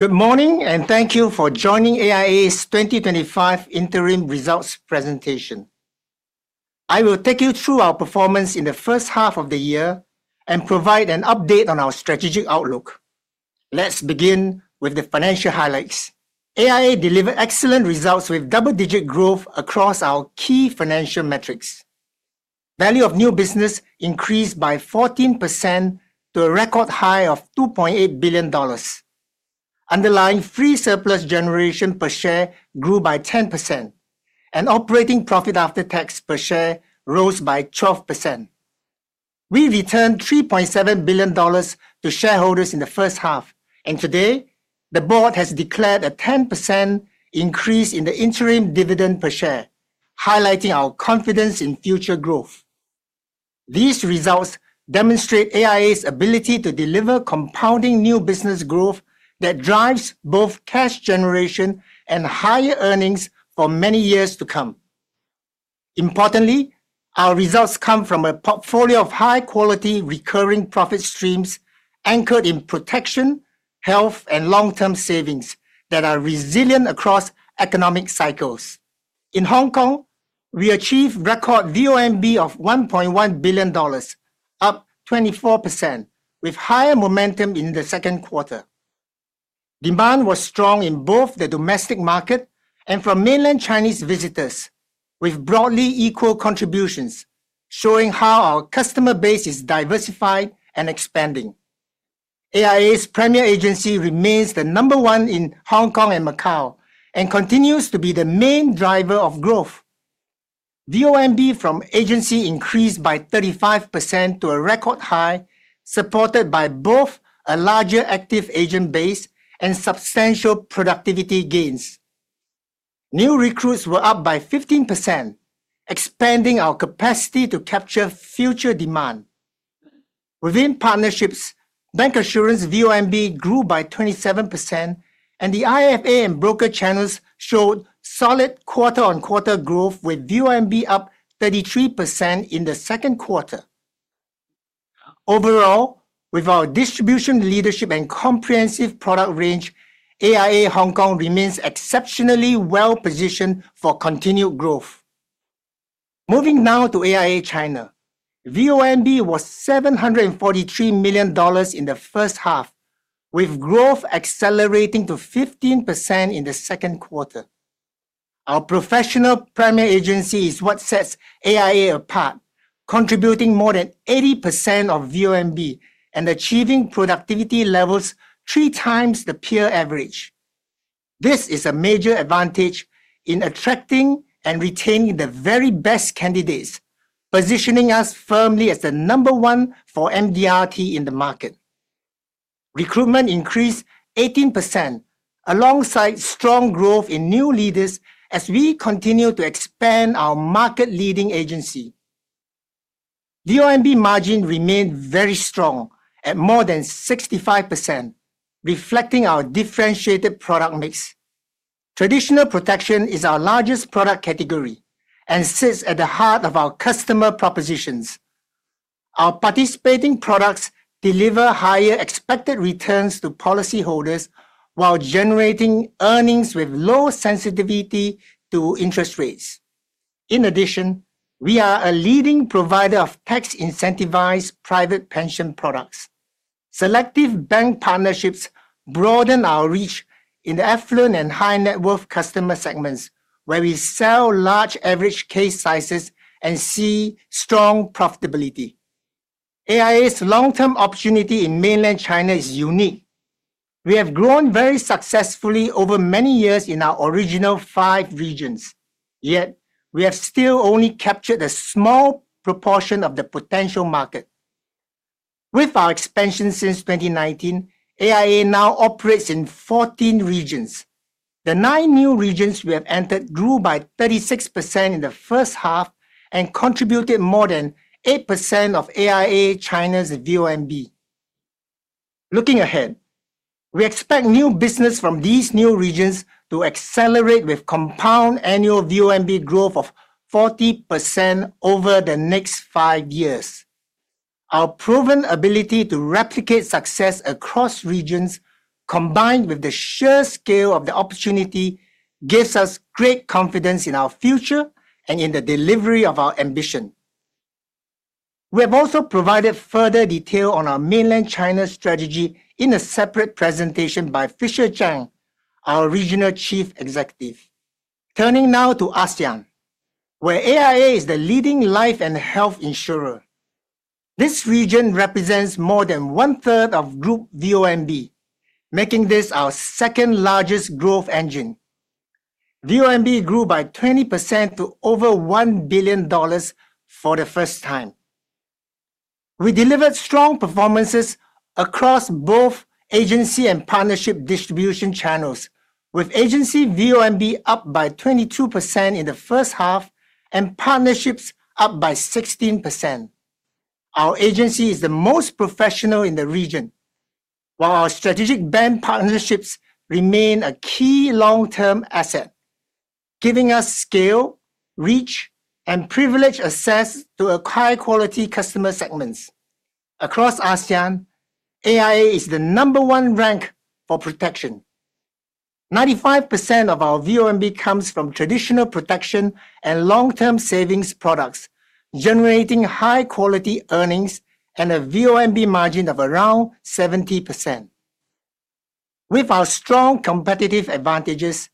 Good morning and thank you for joining AIA's 2025 Interim Results Presentation. I will take you through our performance in the first half of the year and provide an update on our strategic outlook. Let's begin with the financial highlights. AIA delivered excellent results with double-digit growth across our key financial metrics. Value of new business increased by 14% to a record high of $2.8 billion. Underlying free surplus generation per share grew by 10%, and operating profit after tax per share rose by 12%. We returned $3.7 billion to shareholders in the first half, and today, the Board has declared a 10% increase in the interim dividend per share, highlighting our confidence in future growth. These results demonstrate AIA's ability to deliver compounding new business growth that drives both cash generation and higher earnings for many years to come. Importantly, our results come from a portfolio of high-quality recurring profit streams anchored in protection, health, and long-term savings that are resilient across economic cycles. In Hong Kong, we achieved record VONB of $1.1 billion, up 24%, with higher momentum in the second quarter. Demand was strong in both the domestic market and from mainland Chinese visitors, with broadly equal contributions, showing how our customer base is diversified and expanding. AIA's Premier Agency remains the No. 1 in Hong Kong and Macau, and continues to be the main driver of growth. VONB from agency increased by 35% to a record high, supported by both a larger active agent base and substantial productivity gains. New recruits were up by 15%, expanding our capacity to capture future demand. Within partnerships, bancassurance VONB grew by 27%, and the IFM broker channels showed solid quarter-on-quarter growth, with VONB up 33% in the second quarter. Overall, with our distribution leadership and comprehensive product range, AIA Hong Kong remains exceptionally well-positioned for continued growth. Moving now to AIA China, VONB was $743 million in the first half, with growth accelerating to 15% in the second quarter. Our professional Premier Agency is what sets AIA apart, contributing more than 80% of VONB and achieving productivity levels three times the peer average. This is a major advantage in attracting and retaining the very best candidates, positioning us firmly as the No. 1 for MDRT in the market. Recruitment increased 18%, alongside strong growth in new leaders as we continue to expand our market-leading agency. VONB margin remained very strong, at more than 65%, reflecting our differentiated product mix. Traditional protection is our largest product category and sits at the heart of our customer propositions. Our participating products deliver higher expected returns to policyholders while generating earnings with low sensitivity to interest rates. In addition, we are a leading provider of tax-incentivized private pension products. Selective bank partnerships broaden our reach in the affluent and high-net-worth customer segments, where we sell large average case sizes and see strong profitability. AIA's long-term opportunity in mainland China is unique. We have grown very successfully over many years in our original five regions. Yet, we have still only captured a small proportion of the potential market. With our expansion since 2019, AIA now operates in 14 regions. The nine new regions we have entered grew by 36% in the first half and contributed more than 8% of AIA China's VONB. Looking ahead, we expect new business from these new regions to accelerate with compound annual VONB growth of 40% over the next five years. Our proven ability to replicate success across regions, combined with the sheer scale of the opportunity, gives us great confidence in our future and in the delivery of our ambition. We have also provided further detail on our mainland China strategy in a separate presentation by Fisher Zhang, our Regional Chief Executive. Turning now to ASEAN, where AIA is the leading life and health insurer. This region represents more than one-third of Group VONB, making this our second-largest growth engine. VONB grew by 20% to over $1 billion for the first time. We delivered strong performances across both agency and partnership distribution channels, with agency VONB up by 22% in the first half and partnerships up by 16%. Our agency is the most professional in the region, while our strategic bank partnerships remain a key long-term asset, giving us scale, reach, and privilege assessed to acquire quality customer segments. Across ASEAN, AIA is the No. 1 rank for protection. 95% of our VONB comes from traditional protection and long-term savings products, generating high-quality earnings and a VONB margin of around 70%. With our strong competitive advantages,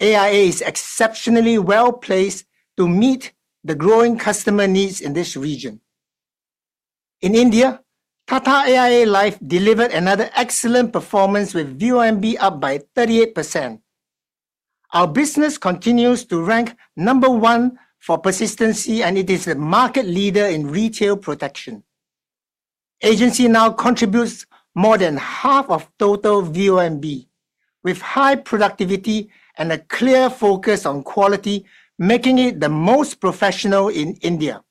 AIA is exceptionally well-placed to meet the growing customer needs in this region. In India, Tata AIA Life delivered another excellent performance with VONB up by 38%. Our business continues to rank No. 1 for persistency, and it is a market leader in retail protection. Agency now contributes more than half of total VONB, with high productivity and a clear focus on quality, making it the most professional in India.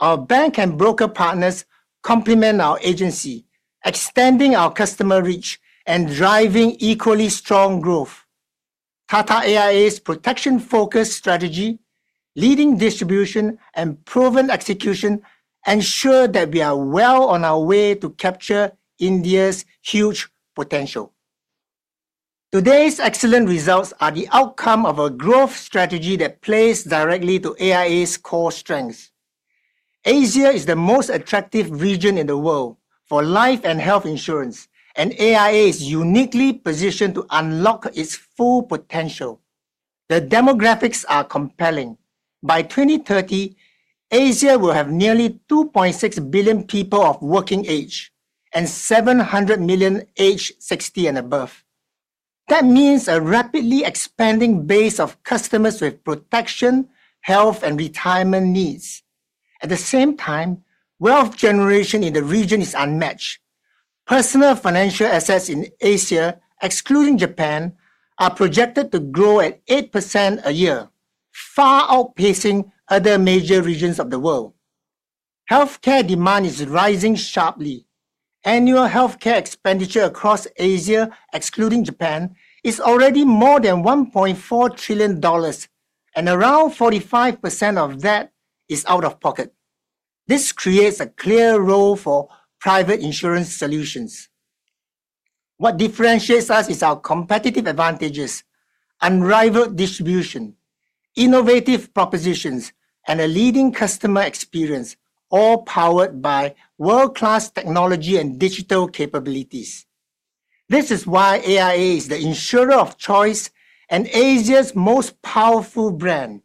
Our bank and broker partners complement our agency, extending our customer reach and driving equally strong growth. Tata AIA's protection-focused strategy, leading distribution, and proven execution ensure that we are well on our way to capture India's huge potential. Today's excellent results are the outcome of a growth strategy that plays directly to AIA's core strengths. Asia is the most attractive region in the world for life and health insurance, and AIA is uniquely positioned to unlock its full potential. The demographics are compelling. By 2030, Asia will have nearly 2.6 billion people of working age and 700 million aged 60 and above. That means a rapidly expanding base of customers with protection, health, and retirement needs. At the same time, wealth generation in the region is unmatched. Personal financial assets in Asia, excluding Japan, are projected to grow at 8% a year, far outpacing other major regions of the world. Healthcare demand is rising sharply. Annual healthcare expenditure across Asia, excluding Japan, is already more than $1.4 trillion, and around 45% of that is out of pocket. This creates a clear role for private insurance solutions. What differentiates us is our competitive advantages: unrivaled distribution, innovative propositions, and a leading customer experience, all powered by world-class technology and digital capabilities. This is why AIA is the insurer of choice and Asia's most powerful brand,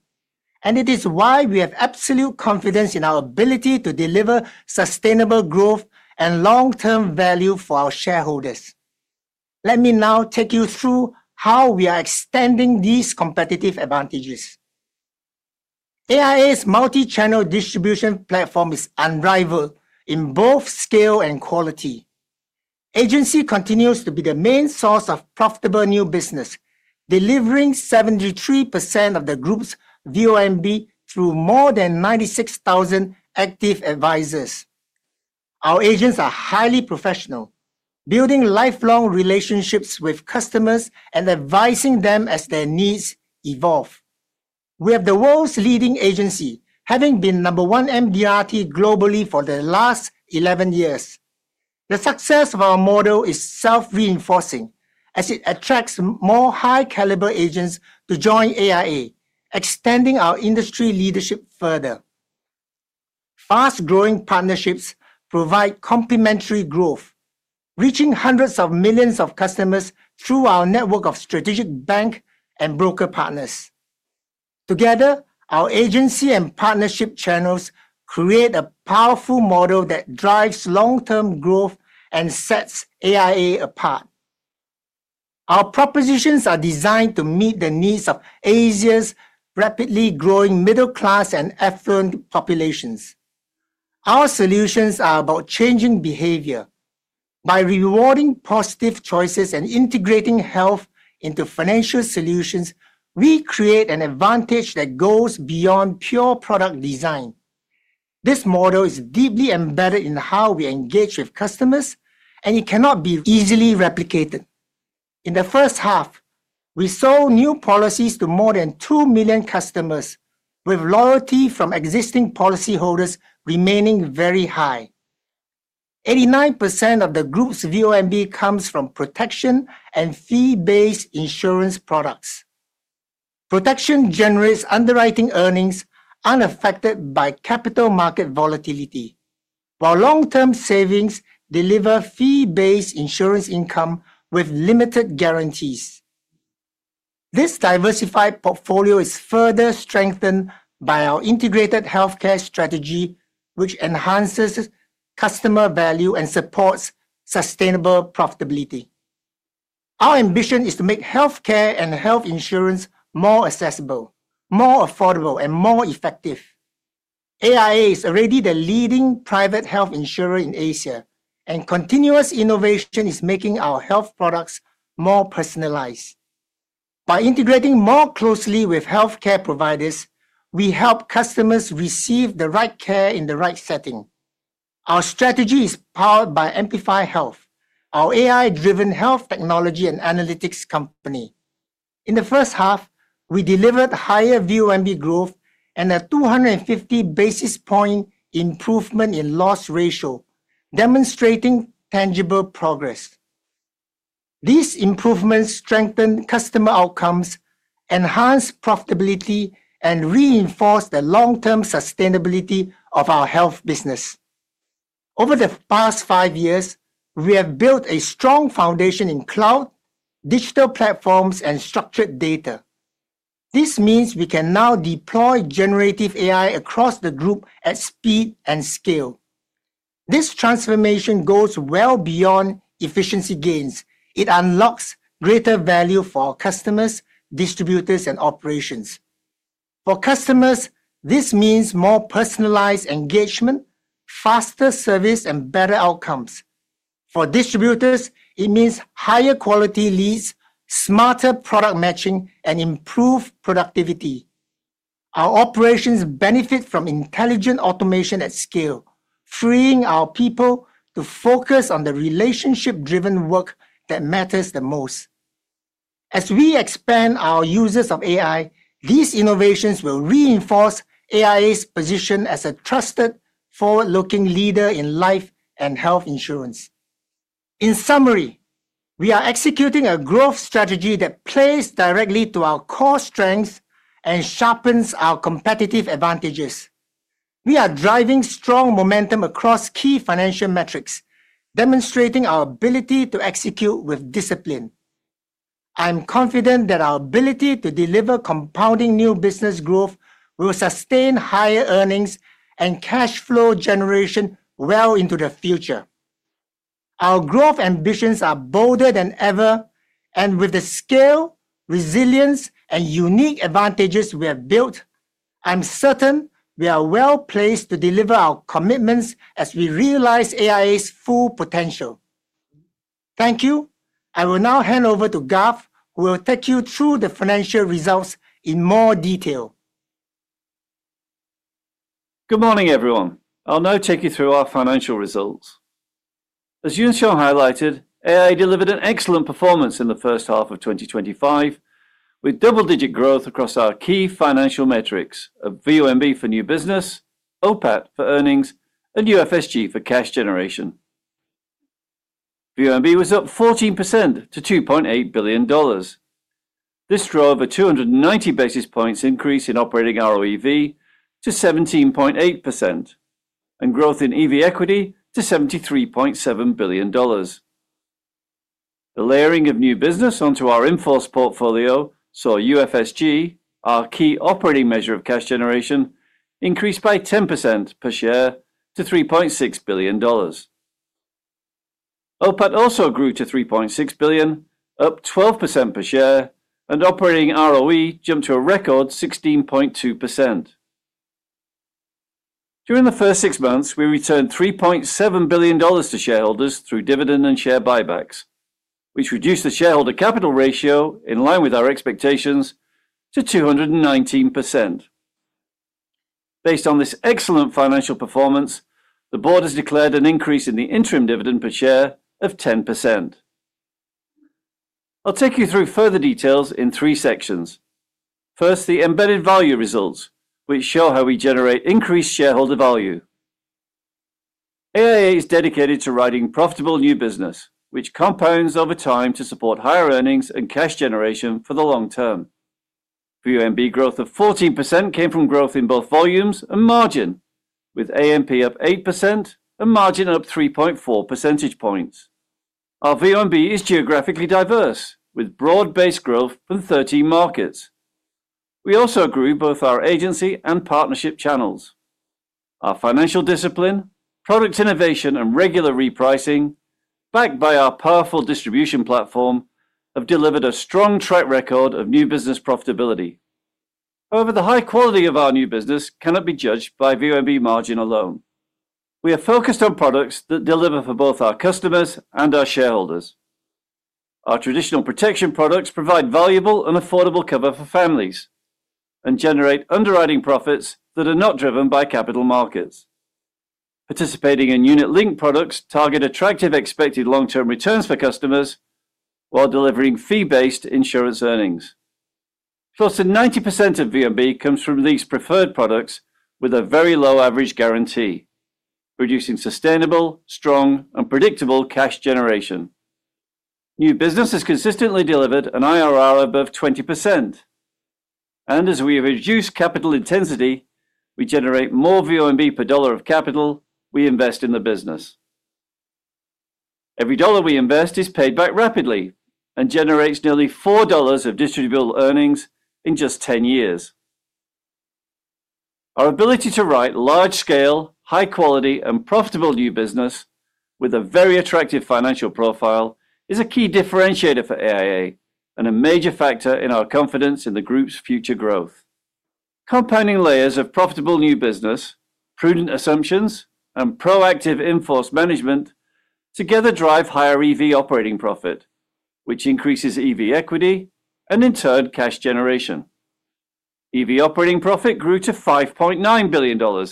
and it is why we have absolute confidence in our ability to deliver sustainable growth and long-term value for our shareholders. Let me now take you through how we are extending these competitive advantages. AIA's multichannel distribution platform is unrivaled in both scale and quality. Agency continues to be the main source of profitable new business, delivering 73% of the Group's VONB through more than 96,000 active advisors. Our agents are highly professional, building lifelong relationships with customers and advising them as their needs evolve. We are the world's leading agency, having been No. 1 MDRT globally for the last 11 years. The success of our model is self-reinforcing, as it attracts more high-caliber agents to join AIA, extending our industry leadership further. Fast-growing partnerships provide complementary growth, reaching hundreds of millions of customers through our network of strategic bank and broker partners. Together, our agency and partnership channels create a powerful model that drives long-term growth and sets AIA apart. Our propositions are designed to meet the needs of Asia's rapidly growing middle class and affluent populations. Our solutions are about changing behavior. By rewarding positive choices and integrating health into financial solutions, we create an advantage that goes beyond pure product design. This model is deeply embedded in how we engage with customers, and it cannot be easily replicated. In the first half, we sold new policies to more than 2 million customers, with loyalty from existing policyholders remaining very high. 89% of the Group's VONB comes from protection and fee-based insurance products. Protection generates underwriting earnings unaffected by capital market volatility, while long-term savings deliver fee-based insurance income with limited guarantees. This diversified portfolio is further strengthened by our integrated healthcare strategy, which enhances customer value and supports sustainable profitability. Our ambition is to make healthcare and health insurance more accessible, more affordable, and more effective. AIA is already the leading private health insurer in Asia, and continuous innovation is making our health products more personalized. By integrating more closely with healthcare providers, we help customers receive the right care in the right setting. Our strategy is powered by Amplify Health, our AI-driven health technology and analytics company. In the first half, we delivered higher VONB growth and a 250 basis point improvement in loss ratio, demonstrating tangible progress. These improvements strengthened customer outcomes, enhanced profitability, and reinforced the long-term sustainability of our health business. Over the past five years, we have built a strong foundation in cloud, digital platforms, and structured data. This means we can now deploy generative AI across the Group at speed and scale. This transformation goes well beyond efficiency gains, it unlocks greater value for our customers, distributors, and operations. For customers, this means more personalized engagement, faster service, and better outcomes. For distributors, it means higher quality leads, smarter product matching, and improved productivity. Our operations benefit from intelligent automation at scale, freeing our people to focus on the relationship-driven work that matters the most. As we expand our uses of AI, these innovations will reinforce AIA's position as a trusted, forward-looking leader in life and health insurance. In summary, we are executing a growth strategy that plays directly to our core strengths and sharpens our competitive advantages. We are driving strong momentum across key financial metrics, demonstrating our ability to execute with discipline. I'm confident that our ability to deliver compounding new business growth will sustain higher earnings and cash flow generation well into the future. Our growth ambitions are bolder than ever, and with the scale, resilience, and unique advantages we have built, I'm certain we are well-placed to deliver our commitments as we realize AIA's full potential. Thank you. I will now hand over to Garth, who will take you through the financial results in more detail. Good morning, everyone. I'll now take you through our financial results. As Yuan Siong highlighted, AIA delivered an excellent performance in the first half of 2025, with double-digit growth across our key financial metrics of VONB for new business, OPAT for earnings, and UFSG for cash generation. VONB was up 14% to $2.8 billion. This drove a 290 basis points increase in operating ROEV to 17.8% and growth in EV equity to $73.7 billion. The layering of new business onto our inforce portfolio saw UFSG, our key operating measure of cash generation, increase by 10% per share to $3.6 billion. OPAT also grew to $3.6 billion, up 12% per share, and operating ROE jumped to a record 16.2%. During the first six months, we returned $3.7 billion to shareholders through dividend and share buybacks, which reduced the shareholder capital ratio in line with our expectations to 219%. Based on this excellent financial performance, the Board has declared an increase in the interim dividend per share of 10%. I'll take you through further details in three sections. First, the embedded value results, which show how we generate increased shareholder value. AIA is dedicated to writing profitable new business, which compounds over time to support higher earnings and cash generation for the long term. VONB growth of 14% came from growth in both volumes and margin, with AMP up 8% and margin up 3.4 percentage points. Our VONB is geographically diverse, with broad-based growth in 13 markets. We also grew both our agency and partnership channels. Our financial discipline, product innovation, and regular repricing, backed by our powerful distribution platform, have delivered a strong track record of new business profitability. However, the high quality of our new business cannot be judged by VONB margin alone. We are focused on products that deliver for both our customers and our shareholders. Our traditional protection products provide valuable and affordable cover for families and generate underwriting profits that are not driven by capital markets. Participating and unit-linked products target attractive expected long-term returns for customers while delivering fee-based insurance earnings. Close to 90% of VONB comes from these preferred products with a very low average guarantee, reducing sustainable, strong, and predictable cash generation. New business has consistently delivered an IRR above 20%. As we reduce capital intensity, we generate more VONB per dollar of capital we invest in the business. Every dollar we invest is paid back rapidly and generates nearly $4 of distributable earnings in just 10 years. Our ability to write large-scale, high-quality, and profitable new business with a very attractive financial profile is a key differentiator for AIA and a major factor in our confidence in the Group's future growth. Compounding layers of profitable new business, prudent assumptions, and proactive inforce management together drive higher EV operating profit, which increases EV equity and, in turn, cash generation. EV operating profit grew to $5.9 billion,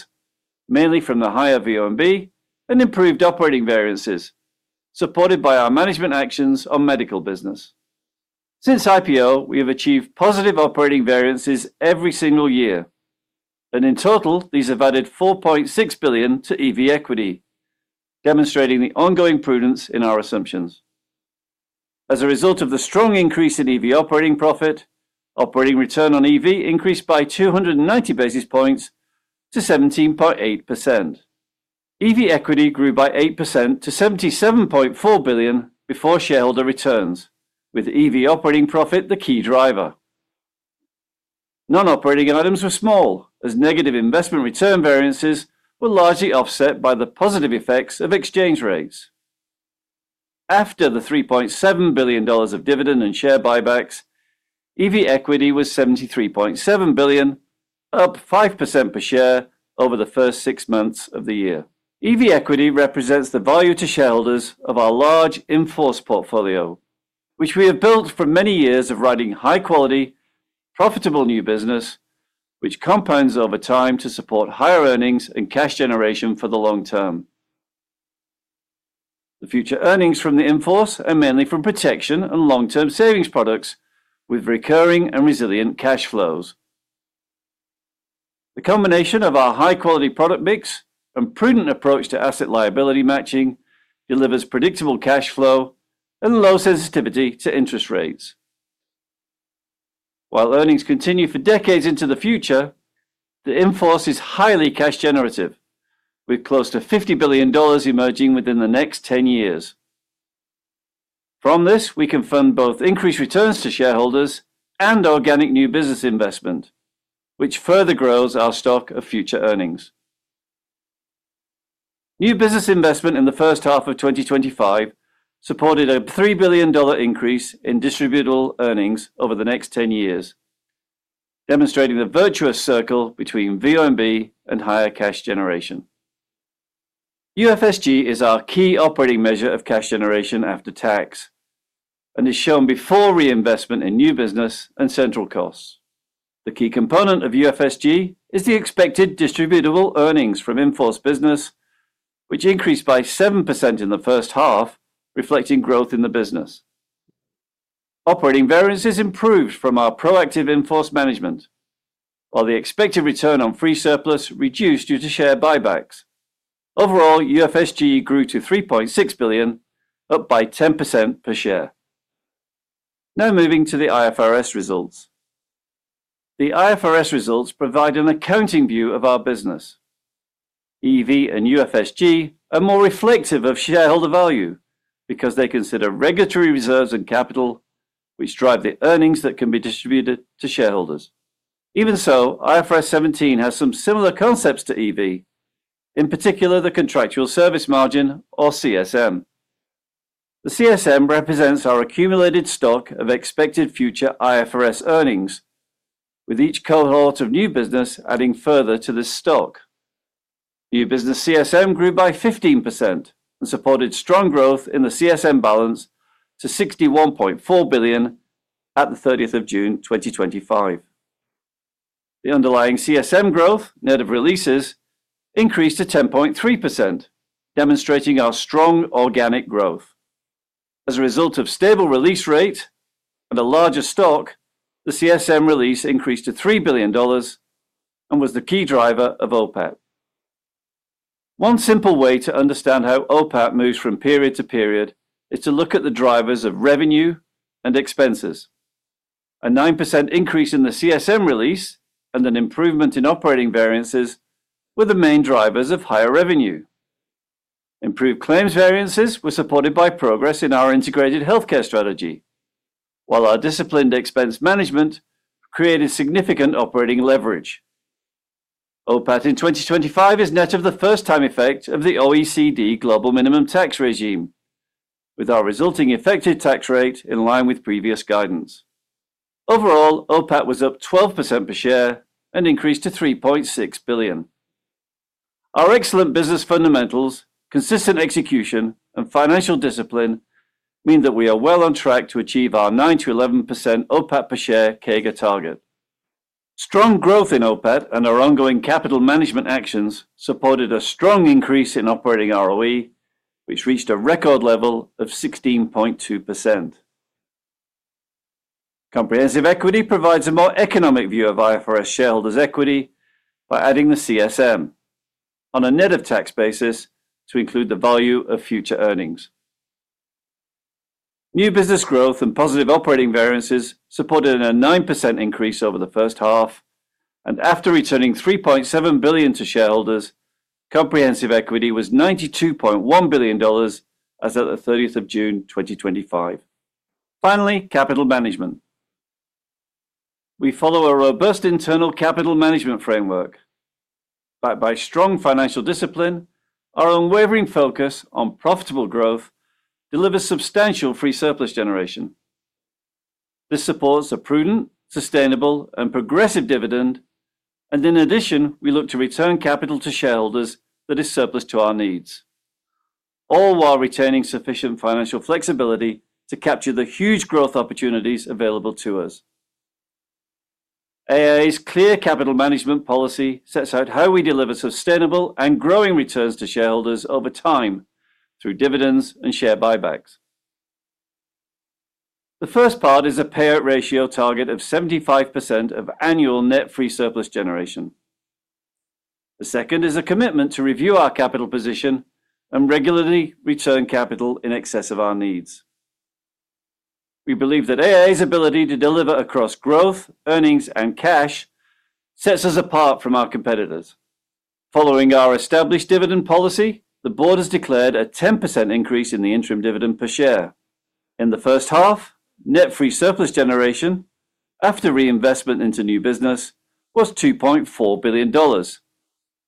mainly from the higher VONB and improved operating variances, supported by our management actions on medical business. Since IPO, we have achieved positive operating variances every single year, and in total, these have added $4.6 billion to EV equity, demonstrating the ongoing prudence in our assumptions. As a result of the strong increase in EV operating profit, operating return on EV increased by 290 basis points to 17.8%. EV equity grew by 8% to $77.4 billion before shareholder returns, with EV operating profit the key driver. Non-operating items were small, as negative investment return variances were largely offset by the positive effects of exchange rates. After the $3.7 billion of dividend and share buybacks, EV equity was $73.7 billion, up 5% per share over the first six months of the year. EV equity represents the value to shareholders of our large inforce portfolio, which we have built from many years of writing high-quality, profitable new business, which compounds over time to support higher earnings and cash generation for the long term. The future earnings from the inforce are mainly from protection and long-term savings products, with recurring and resilient cash flows. The combination of our high-quality product mix and prudent approach to asset liability matching delivers predictable cash flow and low sensitivity to interest rates. While earnings continue for decades into the future, the inforce is highly cash generative, with close to $50 billion emerging within the next 10 years. From this, we confirm both increased returns to shareholders and organic new business investment, which further grows our stock of future earnings. New business investment in the first half of 2025 supported a $3 billion increase in distributable earnings over the next 10 years, demonstrating the virtuous circle between VONB and higher cash generation. UFSG is our key operating measure of cash generation after tax and is shown before reinvestment in new business and central costs. The key component of UFSG is the expected distributable earnings from inforce business, which increased by 7% in the first half, reflecting growth in the business. Operating variances improved from our proactive inforce management, while the expected return on free surplus reduced due to share buybacks. Overall, UFSG grew to $3.6 billion, up by 10% per share. Now moving to the IFRS results. The IFRS results provide an accounting view of our business. EV and UFSG are more reflective of shareholder value because they consider regulatory reserves and capital, which drive the earnings that can be distributed to shareholders. Even so, IFRS 17 has some similar concepts to EV, in particular the Contractual Service Margin, or CSM. The CSM represents our accumulated stock of expected future IFRS earnings, with each cohort of new business adding further to this stock. New business CSM grew by 15% and supported strong growth in the CSM balance to $61.4 billion at the 30th of June 2025. The underlying CSM growth, net of releases, increased to 10.3%, demonstrating our strong organic growth. As a result of stable release rates and a larger stock, the CSM release increased to $3 billion and was the key driver of OPAT. One simple way to understand how OPAT moves from period to period is to look at the drivers of revenue and expenses. A 9% increase in the CSM release and an improvement in operating variances were the main drivers of higher revenue. Improved claims variances were supported by progress in our integrated healthcare strategy, while our disciplined expense management created significant operating leverage. OPAT in 2025 is net of the first-time effect of the OECD global minimum tax regime, with our resulting effective tax rate in line with previous guidance. Overall, OPAT was up 12% per share and increased to $3.6 billion. Our excellent business fundamentals, consistent execution, and financial discipline mean that we are well on track to achieve our 9%-11% OPAT per share CAGR target. Strong growth in OPAT and our ongoing capital management actions supported a strong increase in operating ROE, which reached a record level of 16.2%. Comprehensive equity provides a more economic view of IFRS shareholders' equity by adding the CSM on a net of tax basis to include the value of future earnings. New business growth and positive operating variances supported a 9% increase over the first half, and after returning $3.7 billion to shareholders, comprehensive equity was $92.1 billion as at the 30th of June 2025. Finally, capital management. We follow a robust internal capital management framework. Backed by strong financial discipline, our unwavering focus on profitable growth delivers substantial free surplus generation. This supports a prudent, sustainable, and progressive dividend, and in addition, we look to return capital to shareholders that is surplus to our needs, all while retaining sufficient financial flexibility to capture the huge growth opportunities available to us. AIA's clear capital management policy sets out how we deliver sustainable and growing returns to shareholders over time through dividends and share buybacks. The first part is a payout ratio target of 75% of annual net free surplus generation. The second is a commitment to review our capital position and regularly return capital in excess of our needs. We believe that AIA's ability to deliver across growth, earnings, and cash sets us apart from our competitors. Following our established dividend policy, the Board has declared a 10% increase in the interim dividend per share. In the first half, net free surplus generation after reinvestment into new business was $2.4 billion.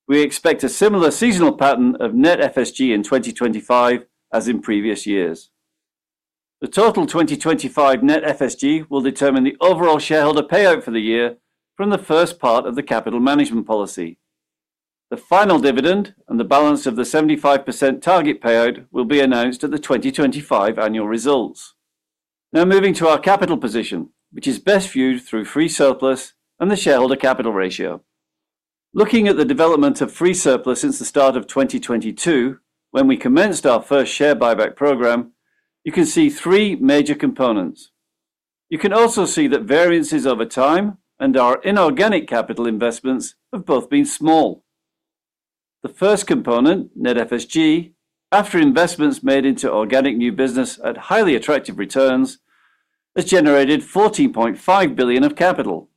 We expect a similar seasonal pattern of net FSG in 2025 as in previous years. The total 2025 net FSG will determine the overall shareholder payout for the year from the first part of the capital management policy. The final dividend and the balance of the 75% target payout will be announced at the 2025 annual results. Now moving to our capital position, which is best viewed through free surplus and the shareholder capital ratio. Looking at the development of free surplus since the start of 2022, when we commenced our first share buyback program, you can see three major components. You can also see that variances over time and our inorganic capital investments have both been small. The first component, net FSG, after investments made into organic new business at highly attractive returns, has generated $14.5 billion of capital.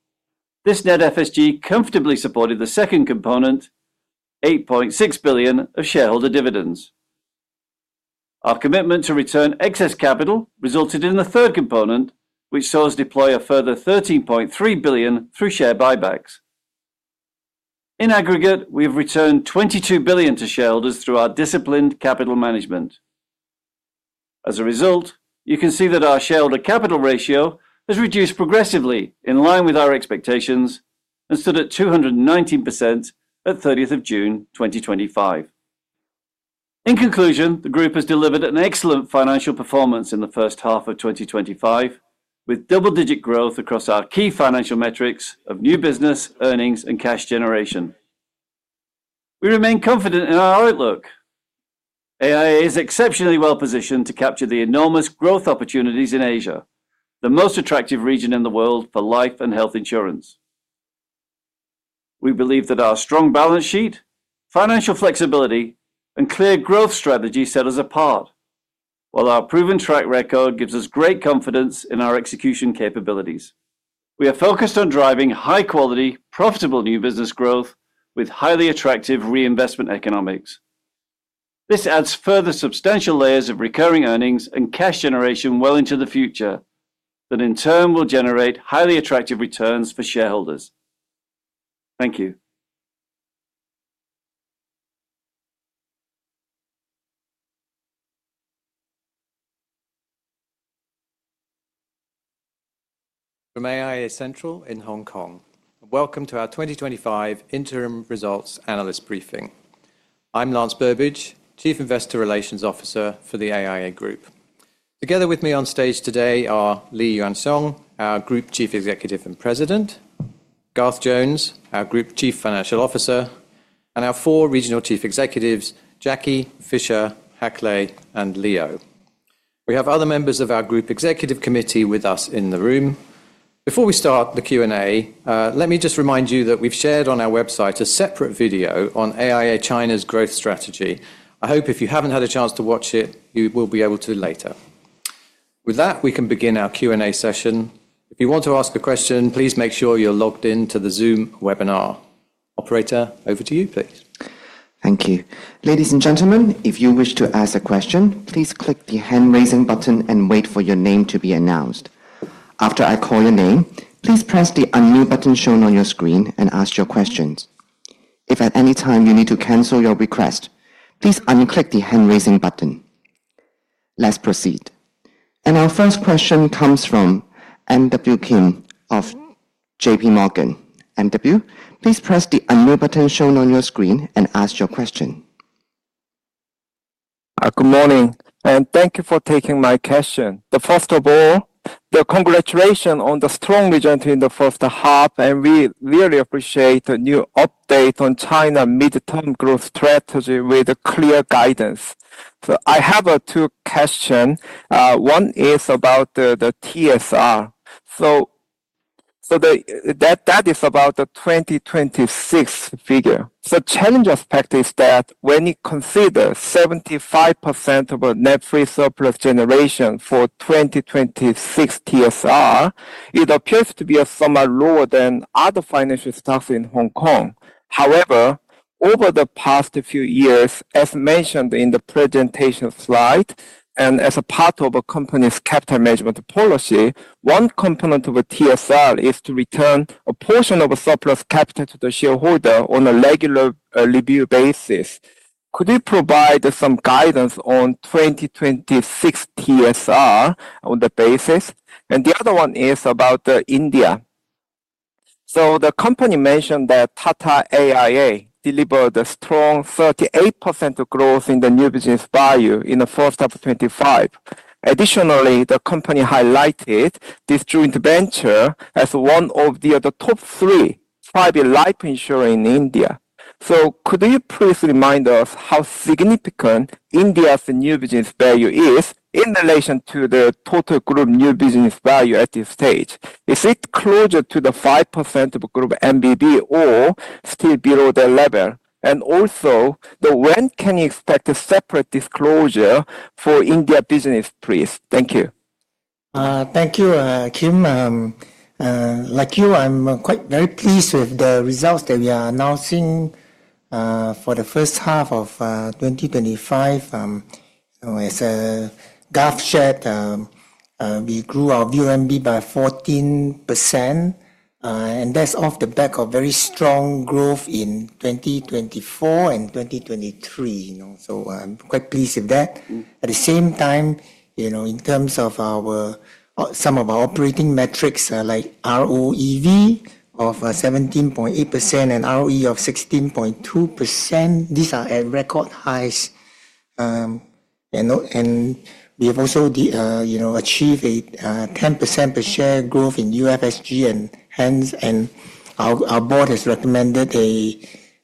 This net FSG comfortably supported the second component, $8.6 billion of shareholder dividends. Our commitment to return excess capital resulted in the third component, which saw us deploy a further $13.3 billion through share buybacks. In aggregate, we have returned $22 billion to shareholders through our disciplined capital management. As a result, you can see that our shareholder capital ratio has reduced progressively in line with our expectations and stood at 219% at 30th of June 2025. In conclusion, the Group has delivered an excellent financial performance in the first half of 2025, with double-digit growth across our key financial metrics of new business, earnings, and cash generation. We remain confident in our outlook. AIA is exceptionally well-positioned to capture the enormous growth opportunities in Asia, the most attractive region in the world for life and health insurance. We believe that our strong balance sheet, financial flexibility, and clear growth strategy set us apart, while our proven track record gives us great confidence in our execution capabilities. We are focused on driving high-quality, profitable new business growth with highly attractive reinvestment economics. This adds further substantial layers of recurring earnings and cash generation well into the future that, in turn, will generate highly attractive returns for shareholders. Thank you. From AIA Central in Hong Kong, and welcome to our 2025 Interim Results Analyst Briefing. I'm Lance Burbidge, Chief Investor Relations Officer for the AIA Group. Together with me on stage today are Lee Yuan Siong, our Group Chief Executive and President, Garth Jones, our Group Chief Financial Officer, and our four Regional Chief Executives, Jacky Chan, Hak Leh, and Leo. We have other members of our Group Executive Committee with us in the room. Before we start the Q&A, let me just remind you that we've shared on our website a separate video on AIA China's growth strategy. I hope if you haven't had a chance to watch it, you will be able to later. With that, we can begin our Q&A session. If you want to ask a question, please make sure you're logged in to the Zoom webinar. Operator, over to you, please. Thank you. Ladies and gentlemen, if you wish to ask a question, please click the hand-raising button and wait for your name to be announced. After I call your name, please press the unknown button shown on your screen and ask your questions. If at any time you need to cancel your request, please unclick the hand-raising button. Let's proceed. Our first question comes from M.W. Kim of J.P. Morgan. M.W., please press the unknown button shown on your screen and ask your question. Good morning, and thank you for taking my question. First of all, congratulations on the strong region in the first half, and we really appreciate the new update on China's mid-term growth strategy with clear guidance. I have two questions. One is about the TSR. That is about the 2026 figure. The challenge aspect is that when you consider 75% of net free surplus generation for 2026 TSR, it appears to be somewhat lower than other financial stocks in Hong Kong. However, over the past few years, as mentioned in the presentation slide and as a part of the company's capital management policy, one component of TSR is to return a portion of the surplus capital to the shareholder on a regular review basis. Could you provide some guidance on 2026 TSR on that basis? The other one is about India. The company mentioned that Tata AIA delivered a strong 38% growth in the new business value in the first half of 2025. Additionally, the company highlighted this joint venture as one of the top three private life insurers in India. Could you please remind us how significant India's new business value is in relation to the total group new business value at this stage? Is it closer to the 5% of group VONB or still below that level? Also, when can you expect a separate disclosure for India business, please? Thank you. Thank you, Kim. Like you, I'm quite pleased with the results that we are announcing for the first half of 2025. As Garth shared, we grew our VONB by 14%, and that's off the back of very strong growth in 2024 and 2023. I'm quite pleased with that. At the same time, in terms of some of our operating metrics like operating ROEV of 17.8% and operating ROE of 16.2%, these are at record highs. We have also achieved a 10% per share growth in underlying free surplus generation per share, and hence, our board has recommended a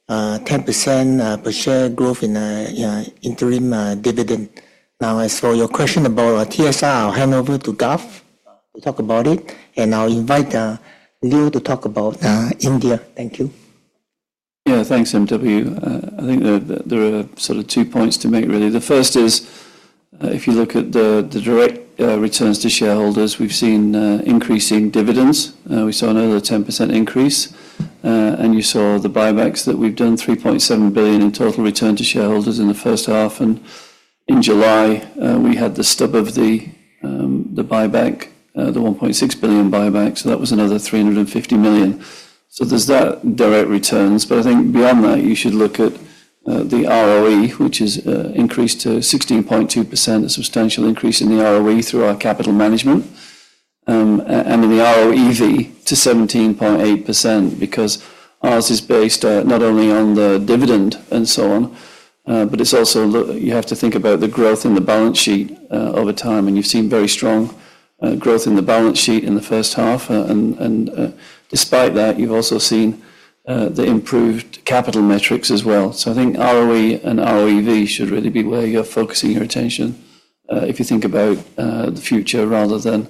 10% per share growth in the interim dividend. I saw your question about TSR. I'll hand over to Garth to talk about it, and I'll invite Leo to talk about India. Thank you. Yeah, thanks, MW. I think that there are sort of two points to make, really. The first is if you look at the direct returns to shareholders, we've seen increasing dividends. We saw another 10% increase, and you saw the buybacks that we've done, $3.7 billion in total return to shareholders in the first half. In July, we had the stub of the buyback, the $1.6 billion buyback, so that was another $350 million. There's that direct returns. I think beyond that, you should look at the ROE, which has increased to 16.2%, a substantial increase in the ROE through our capital management, and in the ROEV to 17.8% because ours is based not only on the dividend and so on, but it's also you have to think about the growth in the balance sheet over time. You've seen very strong growth in the balance sheet in the first half. Despite that, you've also seen the improved capital metrics as well. I think ROE and ROEV should really be where you're focusing your attention if you think about the future rather than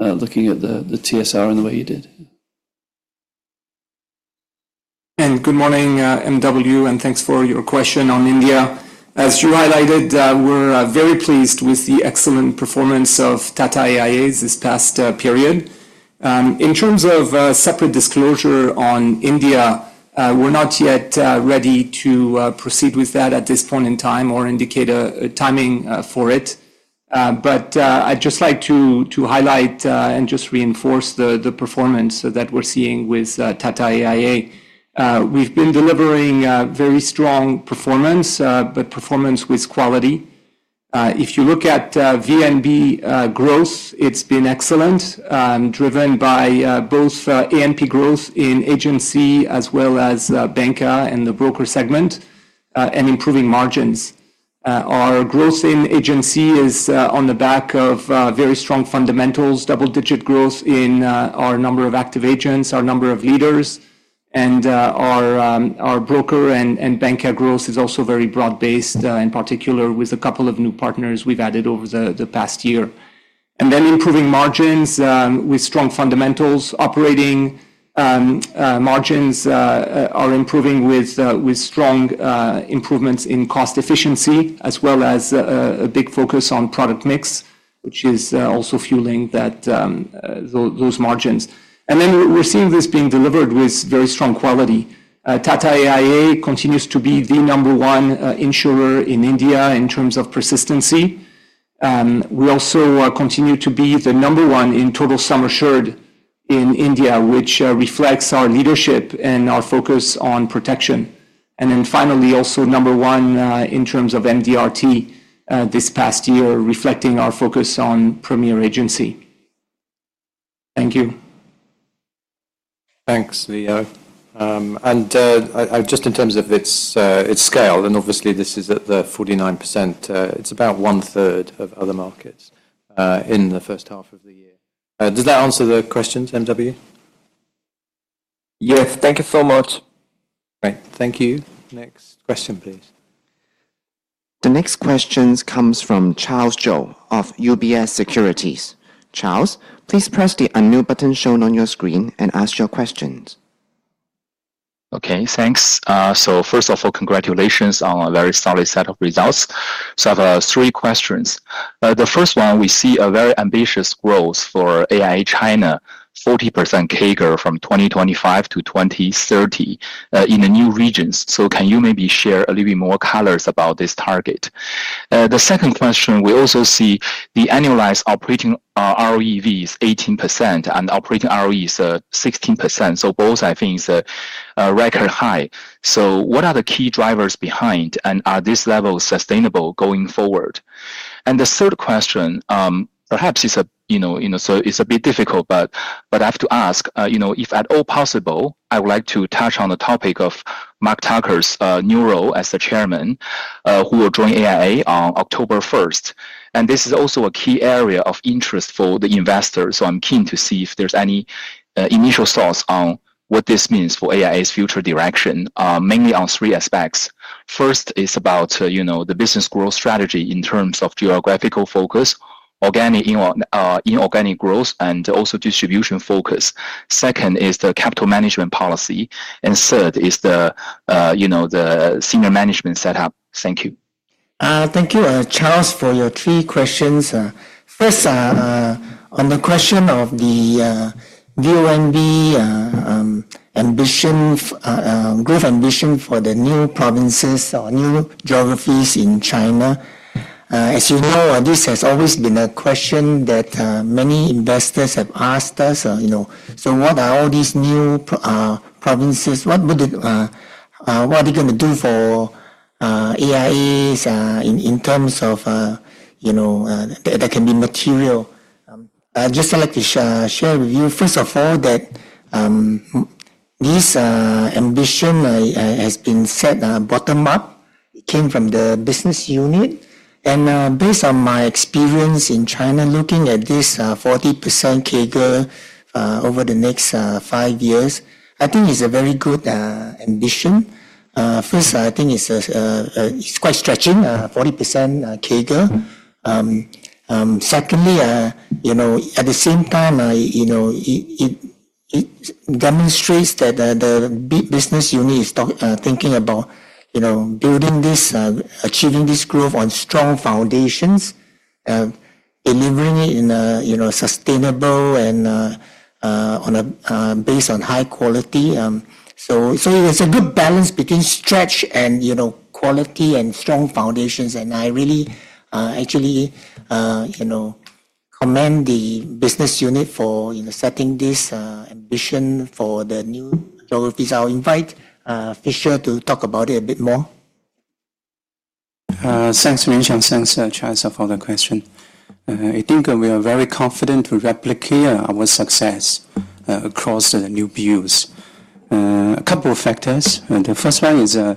looking at the TSR in the way you did. Good morning, MW, and thanks for your question on India. As you highlighted, we're very pleased with the excellent performance of Tata AIA this past period. In terms of a separate disclosure on India, we're not yet ready to proceed with that at this point in time or indicate a timing for it. I'd just like to highlight and reinforce the performance that we're seeing with Tata AIA. We've been delivering very strong performance, but performance with quality. If you look at VONB growth, it's been excellent, driven by both AMP growth in agency as well as banker and the broker segment and improving margins. Our growth in agency is on the back of very strong fundamentals, double-digit growth in our number of active agents, our number of leaders, and our broker and banker growth is also very broad-based, in particular with a couple of new partners we've added over the past year. Improving margins with strong fundamentals. Operating margins are improving with strong improvements in cost efficiency, as well as a big focus on product mix, which is also fueling those margins. We're seeing this being delivered with very strong quality. Tata AIA continues to be the number one insurer in India in terms of persistency. We also continue to be the number one in total sum assured in India, which reflects our leadership and our focus on protection. Finally, also number one in terms of MDRT this past year, reflecting our focus on Premier Agency. Thank you. Thanks, Leo. In terms of its scale, obviously this is at the 49%, it's about 1/3 of other markets in the first half of the year. Does that answer the questions, MW? Yes, thank you so much. Great, thank you. Next question, please. The next question comes from Charles Zhou of UBS Securities. Charles, please press the unknown button shown on your screen and ask your questions. Okay, thanks. First of all, congratulations on a very solid set of results. I have three questions. The first one, we see a very ambitious growth for AIA China, 40% CAGR from 2025 to 2030 in the new regions. Can you maybe share a little bit more colors about this target? The second question, we also see the annualized operating ROEV is 18% and operating ROE is 16%. Both, I think, are record high. What are the key drivers behind, and are these levels sustainable going forward? The third question, perhaps it's a bit difficult, but I have to ask, if at all possible, I would like to touch on the topic of Mark Tucker's new role as the Chairman, who will join AIA on October 1. This is also a key area of interest for the investors. I'm keen to see if there's any initial thoughts on what this means for AIA's future direction, mainly on three aspects. First is about the business growth strategy in terms of geographical focus, organic and inorganic growth, and also distribution focus. Second is the capital management policy. Third is the senior management setup. Thank you. Thank you, Charles, for your three questions. First, on the question of the VONB growth ambition for the new provinces or new geographies in China, as you know, this has always been a question that many investors have asked us. What are all these new provinces? What are they going to do for AIA in terms of that can be material? I'd just like to share with you, first of all, that this ambition has been set bottom-up, came from the business unit. Based on my experience in China, looking at this 40% CAGR over the next five years, I think it's a very good ambition. I think it's quite stretching, 40% CAGR. At the same time, it demonstrates that the business unit is thinking about building this, achieving this growth on strong foundations, delivering it in a sustainable and based on high quality. It's a good balance between stretch and quality and strong foundations. I really actually commend the business unit for setting this ambition for the new. Please I'll invite Fisher to talk about it a bit more. Thanks, Yuan Siong, and thanks, Charles, for the question. I think we are very confident to replicate our success across the new BUs. A couple of factors. The first one is the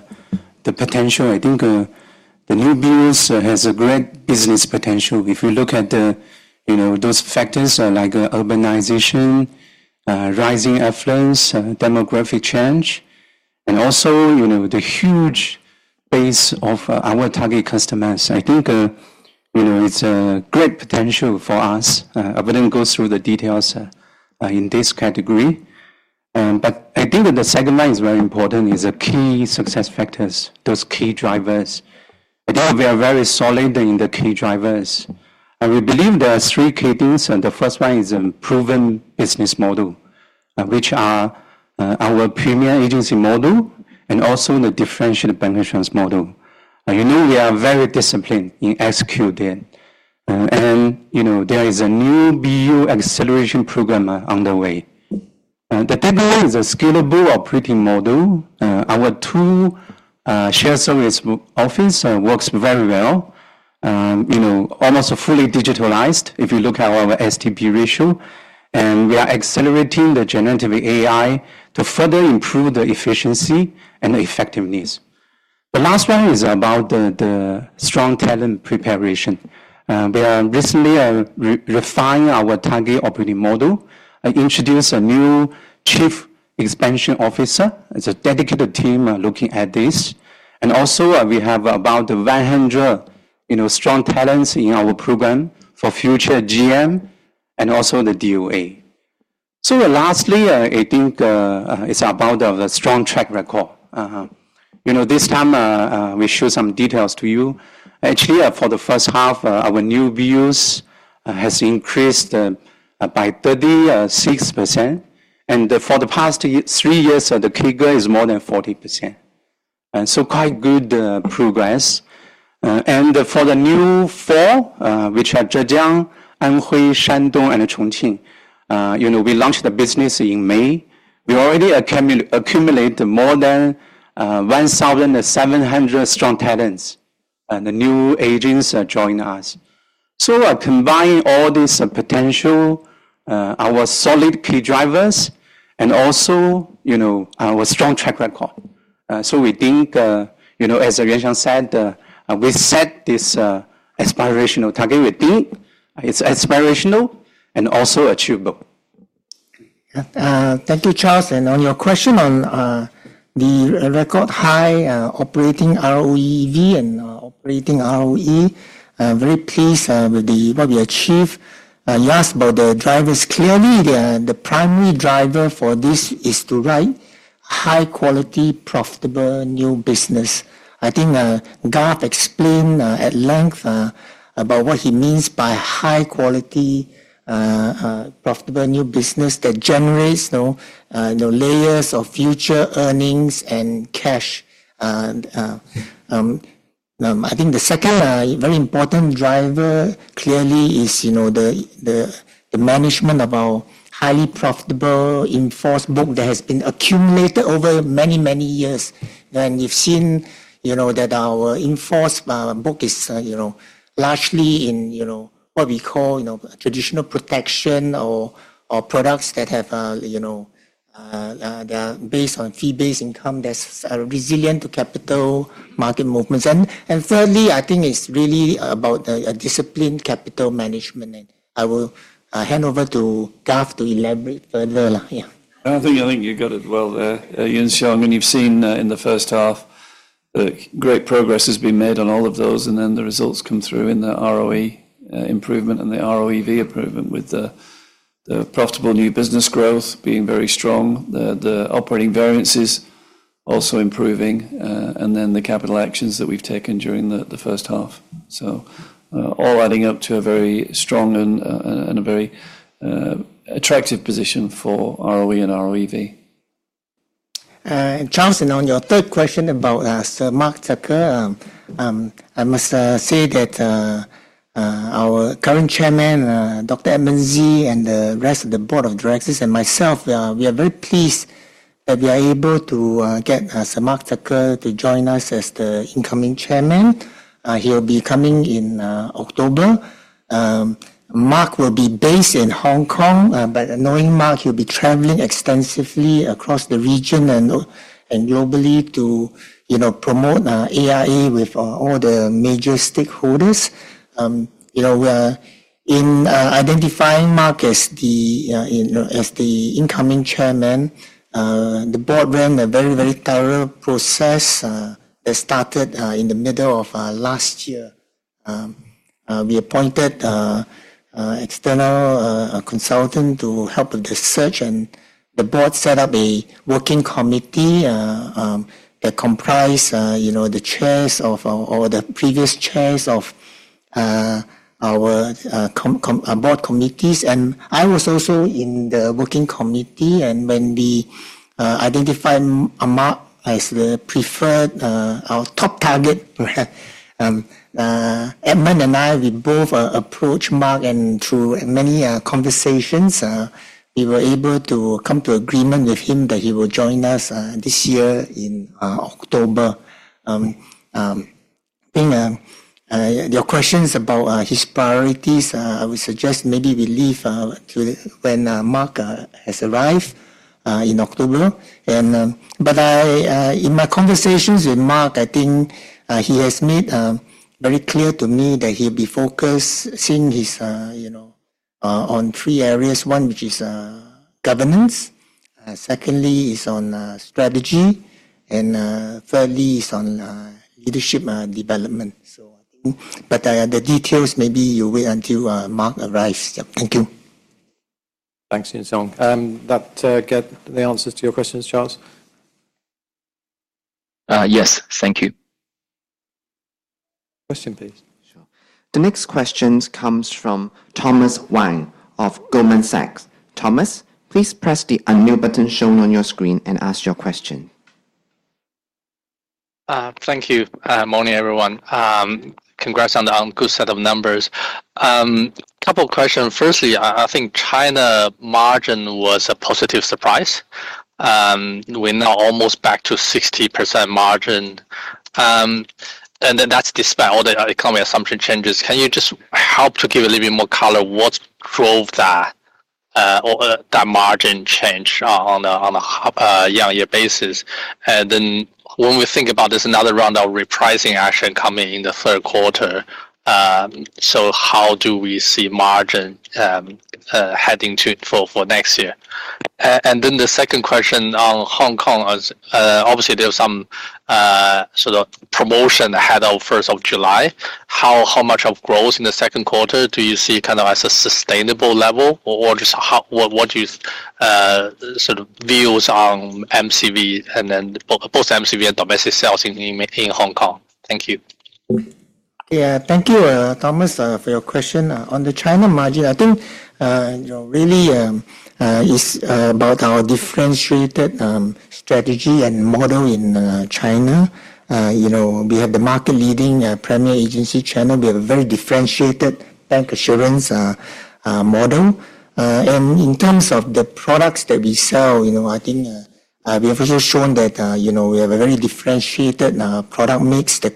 potential. I think the new BUs have a great business potential. If we look at those factors like urbanization, rising affluence, demographic change, and also the huge base of our target customers, I think it's a great potential for us. I wouldn't go through the details in this category. I think the second line is very important. It's the key success factors, those key drivers. We are very solid in the key drivers. We believe there are three key things. The first one is a proven business model, which are our Premier Agency model and also the differential bankers' model. You know they are very disciplined in SQ there. There is a new BU acceleration program on the way. The third is a scalable operating model. Our true share service office works very well, almost fully digitalized if you look at our STP ratio. We are accelerating the generative AI to further improve the efficiency and effectiveness. The last one is about the strong talent preparation. We are recently refining our target operating model. I introduced a new Chief Expansion Officer. It's a dedicated team looking at this. We have about 100 strong talents in our program for future GM and also the DOA. Lastly, I think it's about the strong track record. This time we show some details to you. Actually, for the first half, our new BUs have increased by 36%. For the past three years, the CAGR is more than 40%. Quite good progress. For the new four, which are Zhejiang, Anhui, Shandong, and Chongqing, we launched the business in May. We already accumulated more than 1,700 strong talents, and the new agents are joining us. Combining all this potential, our solid key drivers, and also our strong track record, we think, as Yuan Siong said, we set this aspirational target. We think it's aspirational and also achievable. Thank you, Charles. On your question on the record high operating ROEV and operating ROE, I'm very pleased with what we achieved. You asked about the drivers. Clearly, the primary driver for this is to write high-quality, profitable new business. I think Garth explained at length about what he means by high-quality, profitable new business that generates layers of future earnings and cash. The second very important driver clearly is the management of our highly profitable inforce book that has been accumulated over many, many years. We've seen that our inforce book is largely in what we call traditional protection or products that are based on fee-based income that's resilient to capital market movements. Thirdly, I think it's really about the disciplined capital management. I will hand over to Garth to elaborate further. I think you got it well there, Yuan Siong, when you've seen in the first half that great progress has been made on all of those, and the results come through in the ROE improvement and the ROEV improvement with the profitable new business growth being very strong, the operating variances also improving, and the capital actions that we've taken during the first half. All adding up to a very strong and a very attractive position for ROE and ROEV. Charles, on your third question about Mark Tucker, I must say that our current Chairman, Dr. Edmund Zhi, the rest of the Board of Directors, and myself, we are very pleased that we are able to get Mark Tucker to join us as the incoming Chairman. He'll be coming in October. Mark will be based in Hong Kong, but knowing Mark, he'll be traveling extensively across the region and globally to promote AIA with all the major stakeholders. We're identifying Mark as the incoming Chairman. The Board ran a very, very thorough process that started in the middle of last year. We appointed an external consultant to help with the search, and the Board set up a working committee that comprised the Chairs or the previous Chairs of our Board committees. I was also in the working committee, and when we identified Mark as the preferred top target, Edmund and I, we both approached Mark, and through many conversations, we were able to come to agreement with him that he will join us this year in October. Your questions about his priorities, I would suggest maybe we leave to when Mark has arrived in October. In my conversations with Mark, I think he has made very clear to me that he'll be focusing on three areas. One, which is governance. Secondly, he's on strategy. Thirdly, he's on leadership development. The details, maybe you wait until Mark arrives. Thank you. Thanks, Yuan Siong. I'll get the answers to your questions, Charles. Yes, thank you. Question, please. Sure. The next question comes from Thomas Wang of Goldman Sachs. Thomas, please press the unknown button shown on your screen and ask your question. Thank you. Morning, everyone. Congrats on a good set of numbers. A couple of questions. Firstly, I think China's margin was a positive surprise. We're now almost back to 60% margin. That's despite all the economic assumption changes. Can you just help to give a little bit more color? What drove that margin change on a year-on-year basis? When we think about this, another round of repricing action coming in the third quarter, how do we see margin heading for next year? The second question on Hong Kong, obviously, there's some sort of promotion ahead of the 1st of July. How much of growth in the second quarter do you see kind of as a sustainable level? What do you sort of views on both MCV and domestic sales in Hong Kong? Thank you. Thank you, Thomas, for your question. On the China margin, I think really it's about our differentiated strategy and model in China. We have the market-leading Premier Agency channel. We have a very differentiated bancassurance model. In terms of the products that we sell, I think we have shown that we have a very differentiated product mix that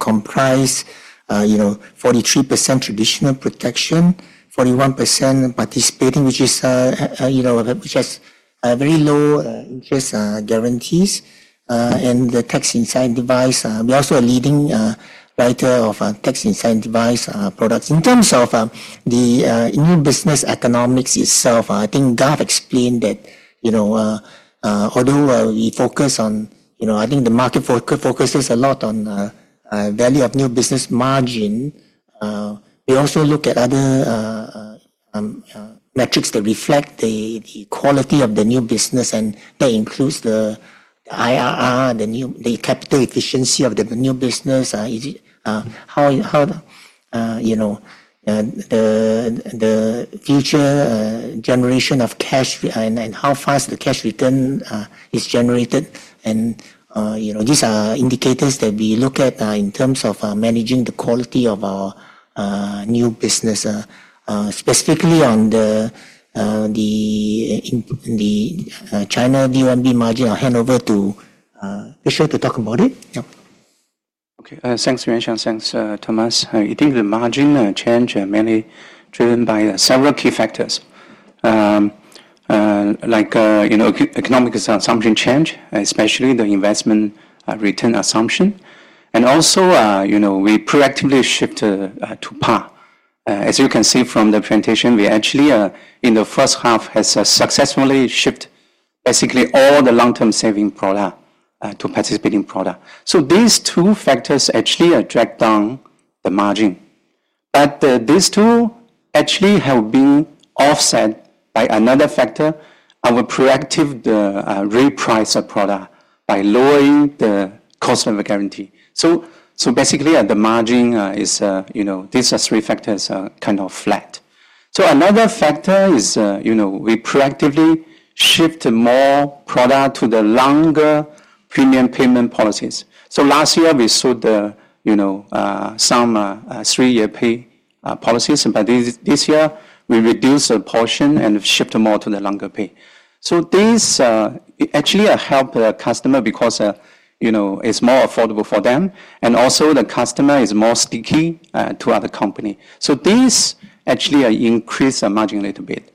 comprises 43% traditional protection, 41% participating, which is very low interest guarantees, and the tax-insured device. We're also a leading writer of tax-insured device products. In terms of the new business economics itself, I think Garth explained that although we focus on, I think the market focuses a lot on the value of new business margin, we also look at other metrics that reflect the quality of the new business, and that includes the IRR, the capital efficiency of the new business, the future generation of cash, and how fast the cash return is generated. These are indicators that we look at in terms of managing the quality of our new business. Specifically on the China VONB margin, I'll hand over to Fisher to talk about it. Okay, thanks, Yuan Siong, thanks, Thomas. I think the margin change is mainly driven by several key factors, like economic assumption change, especially the investment return assumption. We proactively shift to participating products. As you can see from the presentation, we actually, in the first half, have successfully shifted basically all the long-term saving products to participating products. These two factors actually drag down the margin. These two actually have been offset by another factor. Our proactive reprice product by lowering the cost of guarantee. Basically, the margin is these three factors are kind of flat. Another factor is we proactively shift more products to the longer premium payment policies. Last year, we sold some three-year pay policies, but this year, we reduced a portion and shifted more to the longer pay. These actually help the customer because it's more affordable for them, and also the customer is more sticky to other companies. These actually increase the margin a little bit.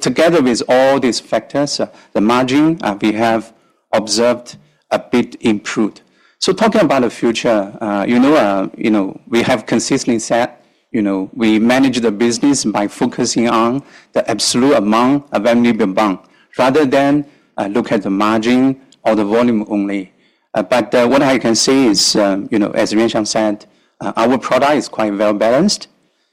Together with all these factors, the margin we have observed a bit improved. Talking about the future, you know we have consistently said we manage the business by focusing on the absolute amount of revenue per month rather than look at the margin or the volume only. What I can say is, as Yuan Siong said, our product is quite well-balanced,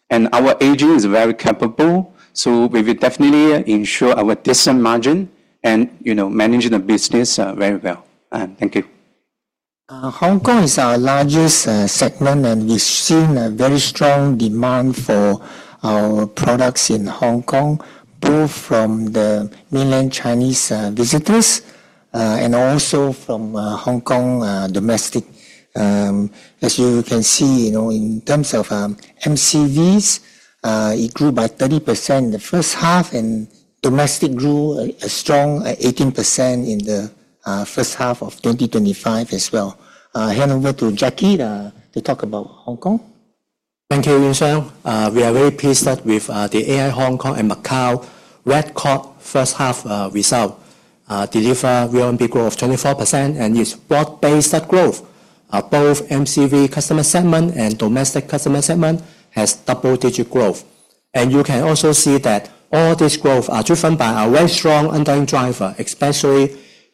and our agent is very capable. We will definitely ensure our decent margin and manage the business very well. Thank you. Hong Kong is our largest segment, and we've seen a very strong demand for our products in Hong Kong, both from the mainland Chinese visitors and also from Hong Kong domestic. As you can see, in terms of MCVs, it grew by 30% in the first half, and domestic grew a strong 18% in the first half of 2025 as well. I'll hand over to Jacky to talk about Hong Kong. Thank you, Yuan Siong, and we are very pleased that with the AIA Hong Kong and Macau report first-half result, delivered VONB growth of 24% and is broad-based growth. Both MCV customer segment and domestic customer segment have double-digit growth. You can also see that all this growth is driven by a very strong underlying driver, especially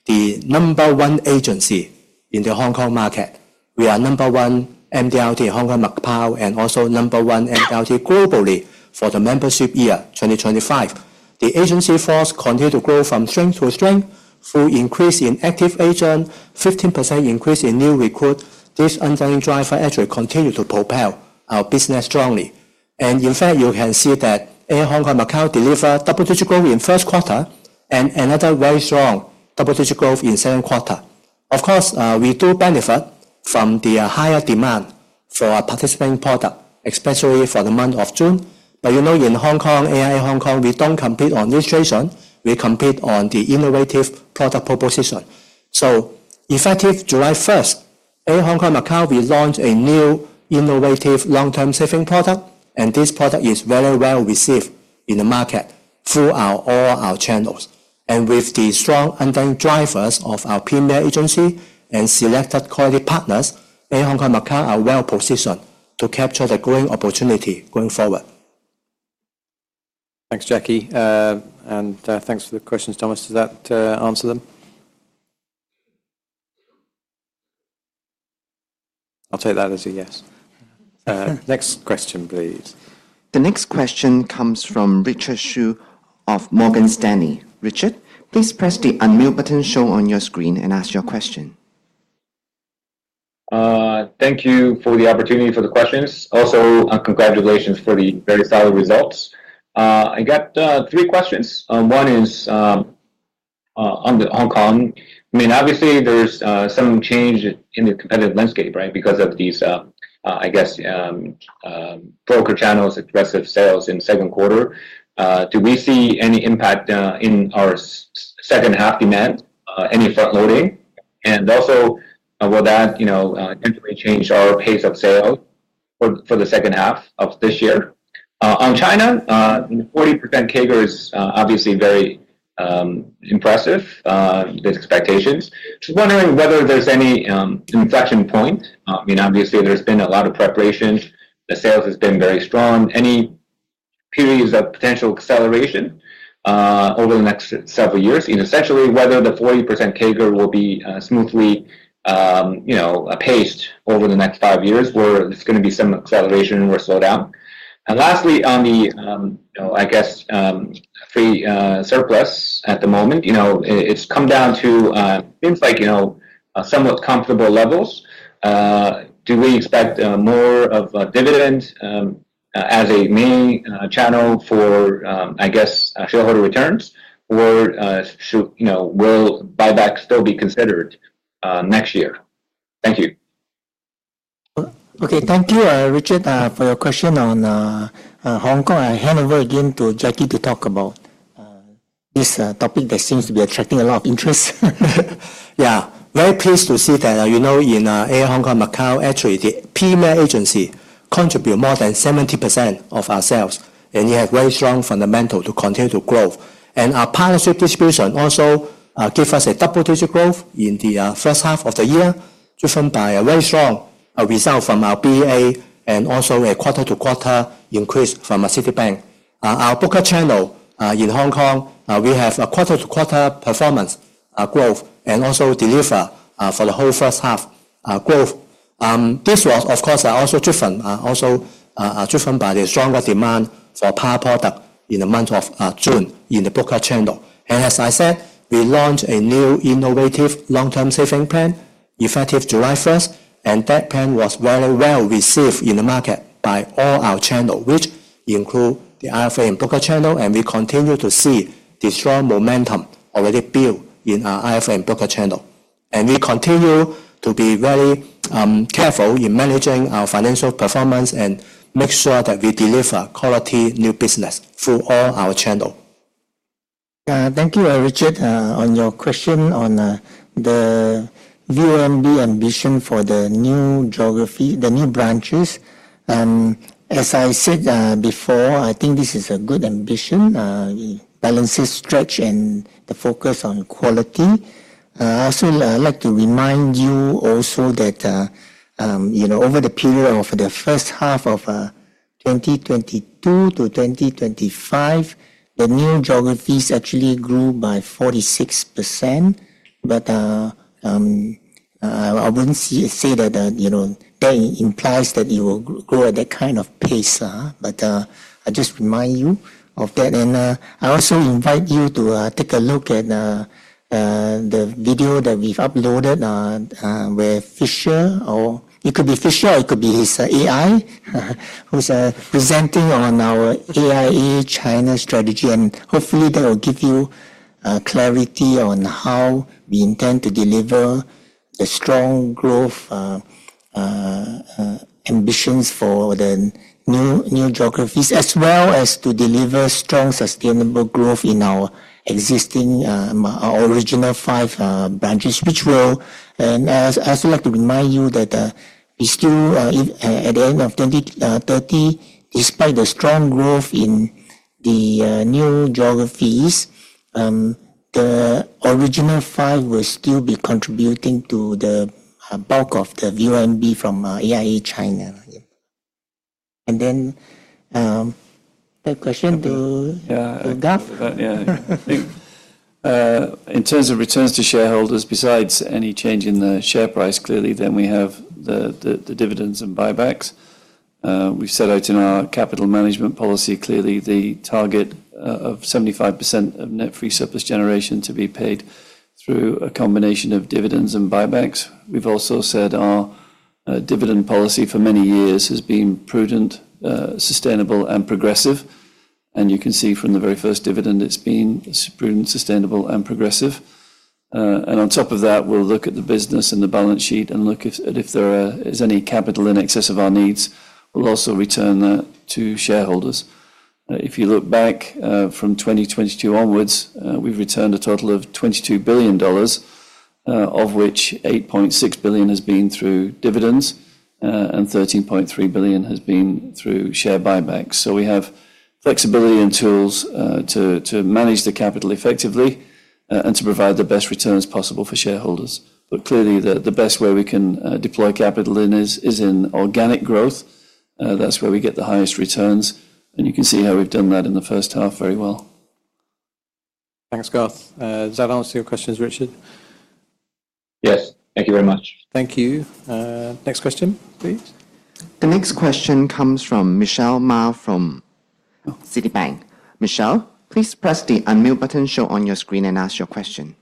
the number one agency in the Hong Kong market. We are number one MDRT Hong Kong Macau and also number one MDRT globally for the membership year 2025. The agency force continues to grow from strength to strength, full increase in active agents, 15% increase in new recruits. This underlying driver actually continues to propel our business strongly. In fact, you can see that AIA Hong Kong Macau delivered double-digit growth in the first quarter and another very strong double-digit growth in the second quarter. We do benefit from the higher demand for our participating products, especially for the month of June. You know in Hong Kong, AIA Hong Kong, we don't compete on newsletters. We compete on the innovative product proposition. Effective July 1, AIA Hong Kong Macau, we launched a new innovative long-term saving product, and this product is very well received in the market through all our channels. With the strong underlying drivers of our Premier Agency and selected quality partners, AIA Hong Kong Macau is well positioned to capture the growing opportunity going forward. Thanks, Jacky. Thanks for the questions, Thomas. Does that answer them? I'll take that as a yes. Next question, please. The next question comes from Richard Xu of Morgan Stanley. Richard, please press the unknown button shown on your screen and ask your question. Thank you for the opportunity for the questions. Also, congratulations for the very solid results. I got three questions. One is on Hong Kong. I mean, obviously, there's some change in the competitive landscape, right, because of these, I guess, broker channels' excessive sales in the second quarter. Do we see any impact in our second half demand? Any of that loading? Also, will that change our pace of sale for the second half of this year? On China, 40% CAGR is obviously very impressive with expectations. I'm just wondering whether there's any inflection point. I mean, obviously, there's been a lot of preparations. The sales have been very strong. Any periods of potential acceleration over the next several years? Essentially, whether the 40% CAGR will be smoothly paced over the next five years, where there's going to be some acceleration or slowdown. Lastly, on the, I guess, free surplus at the moment, you know, it's come down to seems like somewhat comfortable levels. Do we expect more of a dividend as a main channel for, I guess, shareholder returns, or will buybacks still be considered next year? Thank you. Okay, thank you, Richard, for your question on Hong Kong. I'll hand over again to Jacky to talk about this topic that seems to be attracting a lot of interest. Yeah, very pleased to see that, you know, in AIA Hong Kong Macau, actually, the Premier Agency contributes more than 70% of our sales, and we have very strong fundamentals to continue to grow. Our partnership distribution also gives us a double-digit growth in the first half of the year, driven by a very strong result from our BUA and also a quarter-to-quarter increase from our Citibank. Our broker channel in Hong Kong, we have a quarter-to-quarter performance growth and also deliver for the whole first half growth. This was, of course, also driven by the stronger demand for participating products in the month of June in the broker channel. As I said, we launched a new innovative long-term saving plan effective July 1, and that plan was very well received in the market by all our channels, which include the IFRS and broker channel. We continue to see the strong momentum already built in our IFRS and broker channel. We continue to be very careful in managing our financial performance and make sure that we deliver quality new business through all our channels. Thank you, Richard, on your question on the VONB ambition for the new geography, the new branches. As I said before, I think this is a good ambition. It balances stretch and the focus on quality. I'd like to remind you also that over the period of the first half of 2022 to 2025, the new geographies actually grew by 46%. I wouldn't say that that implies that it will grow at that kind of pace. I just remind you of that. I also invite you to take a look at the video that we've uploaded where Fisher, or it could be Fisher, or it could be his AI, who's presenting on our AIA China strategy. Hopefully, that will give you clarity on how we intend to deliver the strong growth ambitions for the new geographies, as well as to deliver strong, sustainable growth in our existing, our original five branches. I also like to remind you that we still, at the end of 2030, despite the strong growth in the new geographies, the original five will still be contributing to the bulk of the VONB from AIA China. Then, third question to Garth. In terms of returns to shareholders, besides any change in the share price, clearly, then we have the dividends and buybacks. We've set out in our capital management policy, clearly, the target of 75% of net free surplus generation to be paid through a combination of dividends and buybacks. We've also said our dividend policy for many years has been prudent, sustainable, and progressive. You can see from the very first dividend, it's been prudent, sustainable, and progressive. On top of that, we'll look at the business and the balance sheet and look at if there is any capital in excess of our needs. We'll also return that to shareholders. If you look back from 2022 onwards, we've returned a total of $22 billion, of which $8.6 billion has been through dividends and $13.3 billion has been through share buybacks. We have flexibility and tools to manage the capital effectively and to provide the best returns possible for shareholders. Clearly, the best way we can deploy capital is in organic growth. That's where we get the highest returns. You can see how we've done that in the first half very well. Thanks, Garth. Does that answer your questions, Richard? Thank you very much. Thank you. Next question, please. The next question comes from Michelle Ma from Citibank. Michelle, please press the unknown button shown on your screen and ask your question.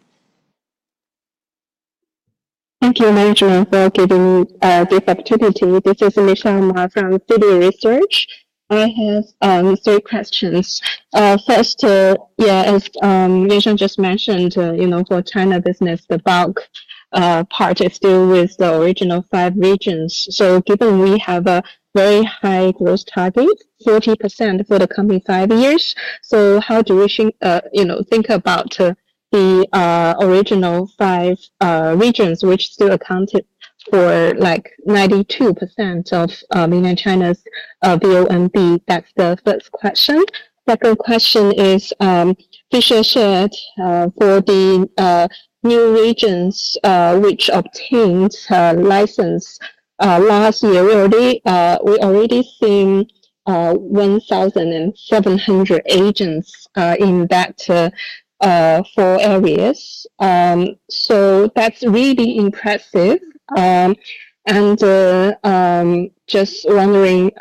Thank you, Yuan Siong, for giving me this opportunity. This is Michelle Ma from Citi Research. I have three questions. First, as Yuan Siong just mentioned, for China business, the bulk part is still with the original five regions. Given we have a very high growth target, 40% for the coming five years, how do we think about the original five regions, which still accounted for 92% of mainland China's VONB? That's the first question. Second question is, Fisher said for the new regions, which obtained license last year, we already seen 1,700 agents in that, four areas. That's really impressive. Just wondering,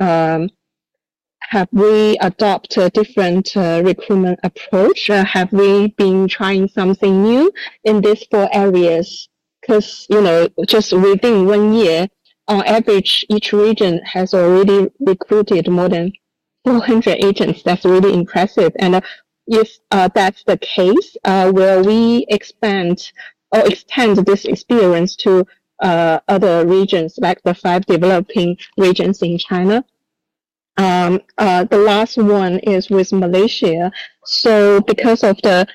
have we adopted a different recruitment approach? Have we been trying something new in these four areas? Because just within one year, our average each region has already recruited more than 400 agents. That's really impressive. If that's the case, will we expand or extend this experience to other regions, like the five developing regions in China? The last one is with Malaysia. Because of the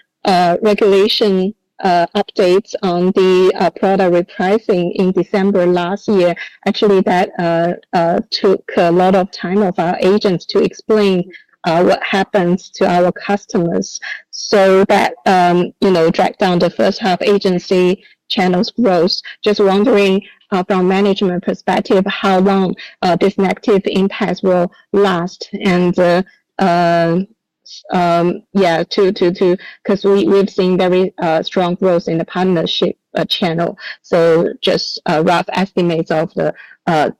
regulation updates on the product repricing in December last year, actually, that took a lot of time of our agents to explain what happens to our customers. That dragged down the first half agency channels' growth. Just wondering, from a management perspective, how long this negative impact will last? Because we've seen very strong growth in the partnership channel. Just rough estimates of the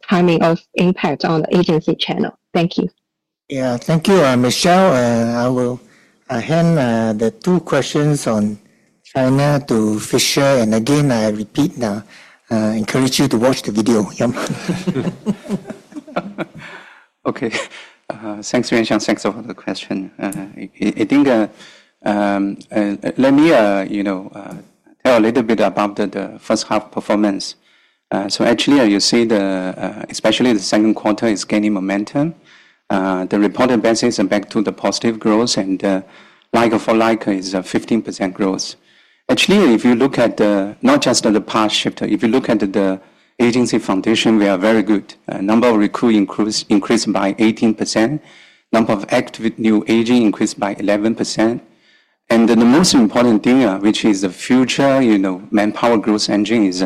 timing of impact on the agency channel. Thank you. Thank you, Michelle. I will hand the two questions on China to Fisher. I encourage you to watch the video. Okay, thanks, Yuan Siong, thanks for the question. I think let me tell a little bit about the first half performance. Actually, you see that especially the second quarter is gaining momentum. The reported basis is back to the positive growth, and like for like is 15% growth. Actually, if you look at not just the participating products shift, if you look at the agency foundation, we are very good. Number of recruiting increased by 18%. Number of active new agents increased by 11%. The most important thing, which is the future manpower growth engine, is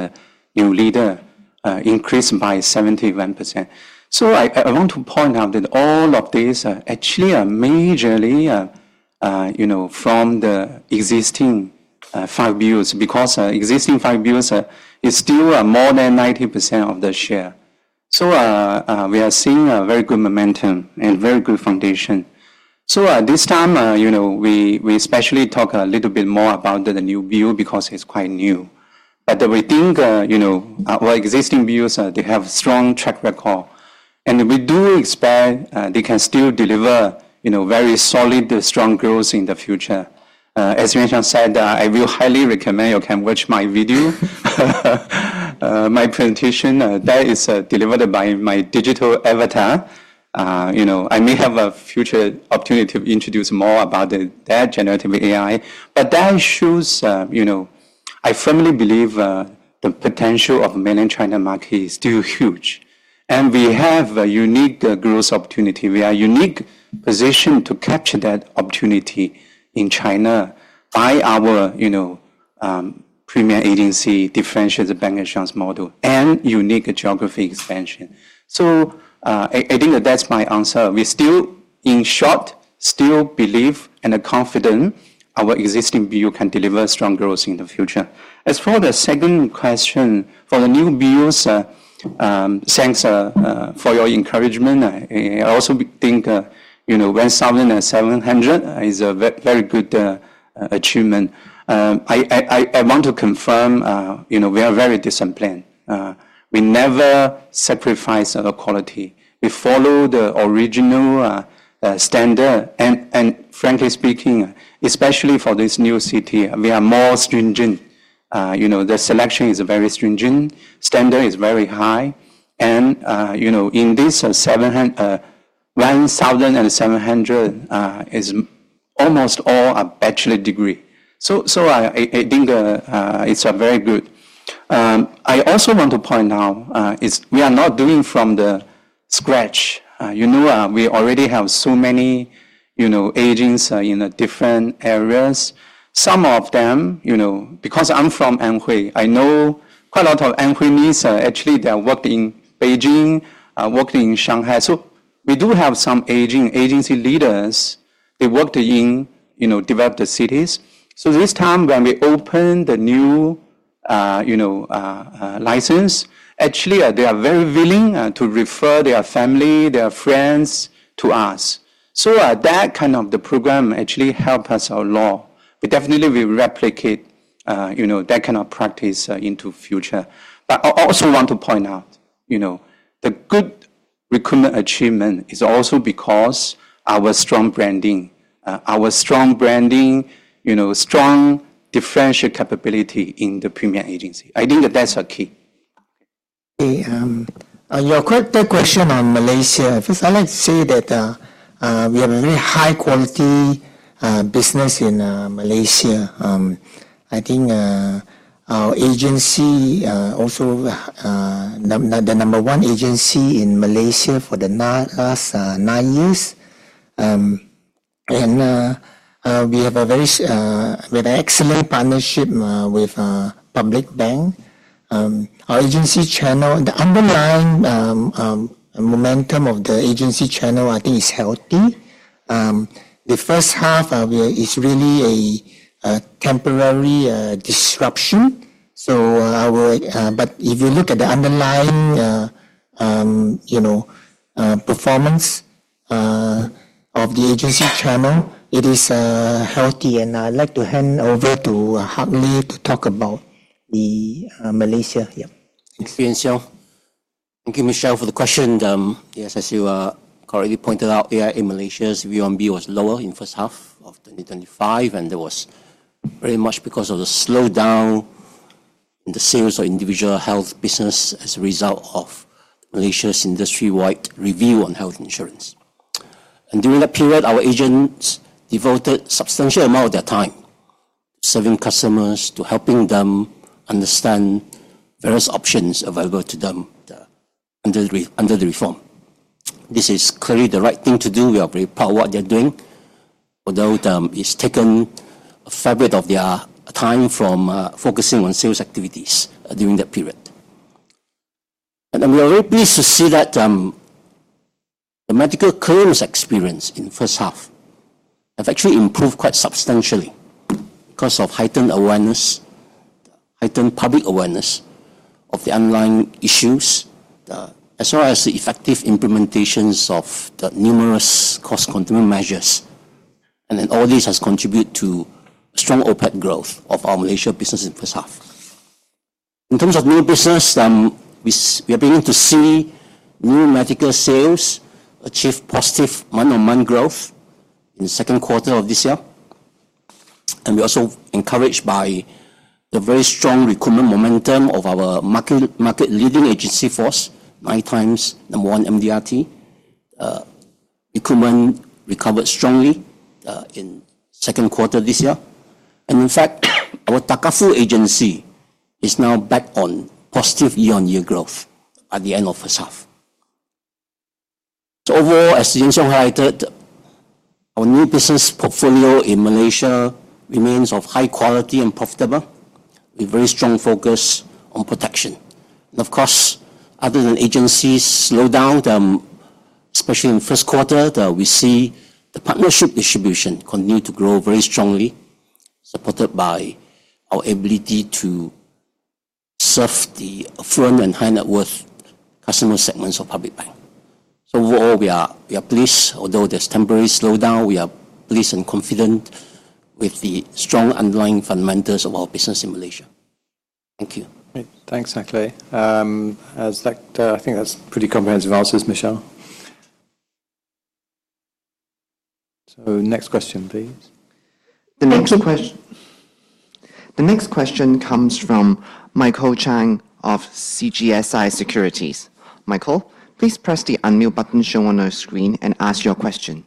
new leader increased by 71%. I want to point out that all of these actually are majorly from the existing five views because existing five views is still more than 90% of the share. We are seeing a very good momentum and a very good foundation. This time, you know, we especially talk a little bit more about the new view because it's quite new. We think our existing views, they have a strong track record. We do expect they can still deliver very solid, strong growth in the future. As Yuan Siong said, I will highly recommend you can watch my video, my presentation. That is delivered by my digital avatar. I may have a future opportunity to introduce more about that generative AI. That shows you know I really believe the potential of the mainland China market is still huge, and we have a unique growth opportunity. We are in a unique position to catch that opportunity in China. Our premier agency differentiates the bank accounts model and unique geography expansion. I think that that's my answer. We still, in short, still believe and are confident our existing BU can deliver strong growth in the future. As for the second question, for the new BUs, thanks for your encouragement. I also think when 7,700 is a very good achievement. I want to confirm we are very disciplined. We never sacrifice our quality. We follow the original standard and, frankly speaking, especially for this new city, we are more stringent. The selection is very stringent, standard is very high, and in this 700, 1,700 is almost all a bachelor's degree. I think it's very good. I also want to point out we are not doing it from scratch. We already have so many agents in different areas. Some of them, because I'm from Anhui, I know quite a lot of Anhui means actually they worked in Beijing, worked in Shanghai. We do have some aging agency leaders who worked in developed cities. This time when we opened the new license, actually they are very willing to refer their family, their friends to us. That kind of program actually helped us a lot. We definitely will replicate that kind of practice into the future. I also want to point out the good recruitment achievement is also because of our strong branding. Our strong branding, strong differential capability in the premier agency. I think that's our key. Your quick question on Malaysia, first I'd like to say that we have a very high-quality business in Malaysia. I think our agency is also the number one agency in Malaysia for the last nine years. We have a very good, excellent partnership with Public Bank. Our agency channel, the underlying momentum of the agency channel, I think is healthy. The first half is really a temporary disruption. If you look at the underlying, you know, performance of the agency channel, it is healthy. I'd like to hand over to Hak Leh to talk about Malaysia. Thank you, Michelle, for the question. Yes, as you correctly pointed out, AIA Malaysia's VONB was lower in the first half of 2025, and that was very much because of the slowdown in the sales of individual health business as a result of Malaysia's industry-wide review on health insurance. During that period, our agents devoted a substantial amount of their time serving customers to helping them understand various options available to them under the reform. This is clearly the right thing to do. We are very proud of what they're doing, although it's taken a fair bit of their time from focusing on sales activities during that period. I'm really pleased to see that the medical clearance experience in the first half has actually improved quite substantially because of heightened public awareness of the underlying issues, as well as the effective implementations of the numerous cross-continental measures. All this has contributed to strong OpEx growth of our Malaysia business in the first half. In terms of new business, we are beginning to see new medical sales achieve positive month-on-month growth in the second quarter of this year. We're also encouraged by the very strong recruitment momentum of our market-leading agency force, nine times number one MDRT. Recruitment recovered strongly in the second quarter this year. In fact, our Takaful agency is now back on positive year-on-year growth at the end of the first half. Overall, as Yuan Siong Lee highlighted, our new business portfolio in Malaysia remains of high quality and profitable, with a very strong focus on protection. Other than the agency's slowdown, especially in the first quarter, we see the partnership distribution continue to grow very strongly, supported by our ability to serve the affluent and high net worth customer segments of Public Bank. Overall, we are pleased. Although there's a temporary slowdown, we are pleased and confident with the strong underlying fundamentals of our business in Malaysia. Thank you. Thanks, Hak Leh. I think that's pretty comprehensive answers, Michelle. Next question, please. The next question comes from Michael Chang of CGSI Securities. Michael, please press the unmute button shown on your screen and ask your question.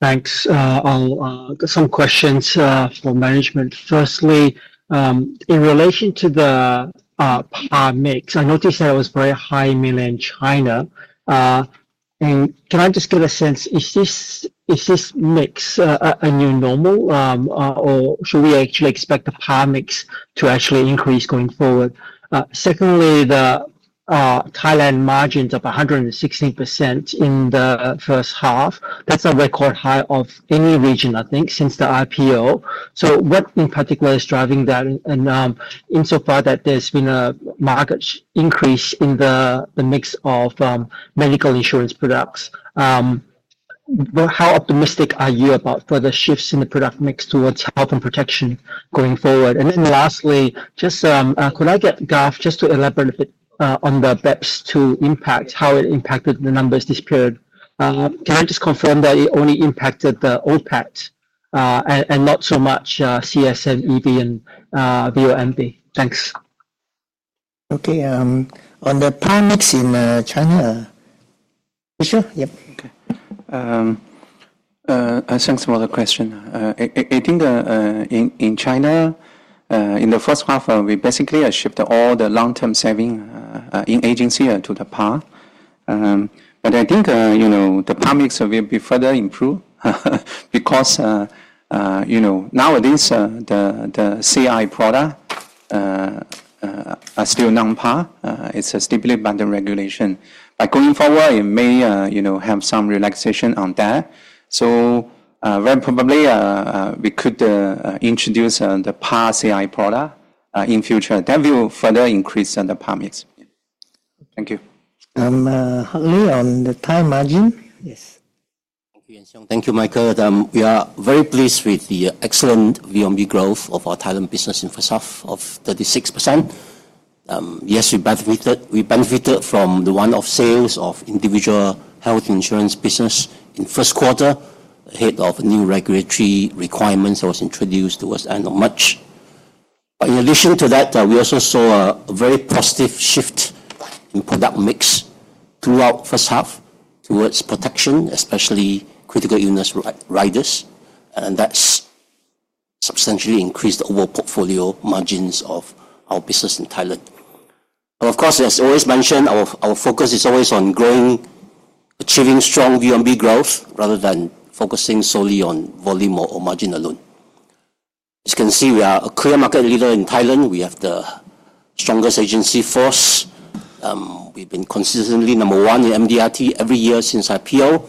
Thanks. I've got some questions for management. Firstly, in relation to the PAR mix, I noticed that it was very high in mainland China. Can I just get a sense, is this mix a new normal, or should we actually expect the PAR mix to increase going forward? Secondly, the Thailand margin is up 116% in the first half. That's a record high of any region, I think, since the IPO. What in particular is driving that? I'm surprised that there's been a marked increase in the mix of medical insurance products. How optimistic are you about further shifts in the product mix towards health and protection going forward? Lastly, could I get Garth just to elaborate a bit on the BEPS 2 impact, how it impacted the numbers this period? Can I just confirm that it only impacted the OpEx and not so much CSM, EV, and VONB? Thanks. Okay. On the participating products mix in China. Sure. Yeah. Okay. I'll send some other questions. I think in China, in the first half, we basically shipped all the long-term saving in agency to the participating products. I think the participating products mix will be further improved because nowadays the critical illness products are still non-participating. It's stipulated by the regulation. Going forward, it may have some relaxation on that. Very probably, we could introduce the participating critical illness product in the future. That will further increase the participating products mix. Thank you. Hak Leh, on the Thai margin, yes. Thank you, Michael. We are very pleased with the excellent VONB growth of our Thailand business in the first half of 36%. Yes, we benefited from the one-off sales of individual health insurance business in the first quarter ahead of new regulatory requirements that were introduced towards the end of March. In addition to that, we also saw a very positive shift in the product mix throughout the first half towards protection, especially critical illness riders. That substantially increased the overall portfolio margins of our business in Thailand. As I always mention, our focus is always on growing, achieving strong VONB growth rather than focusing solely on volume or margin alone. As you can see, we are a clear market leader in Thailand. We have the strongest agency force. We've been consistently number one in MDRT every year since IPO.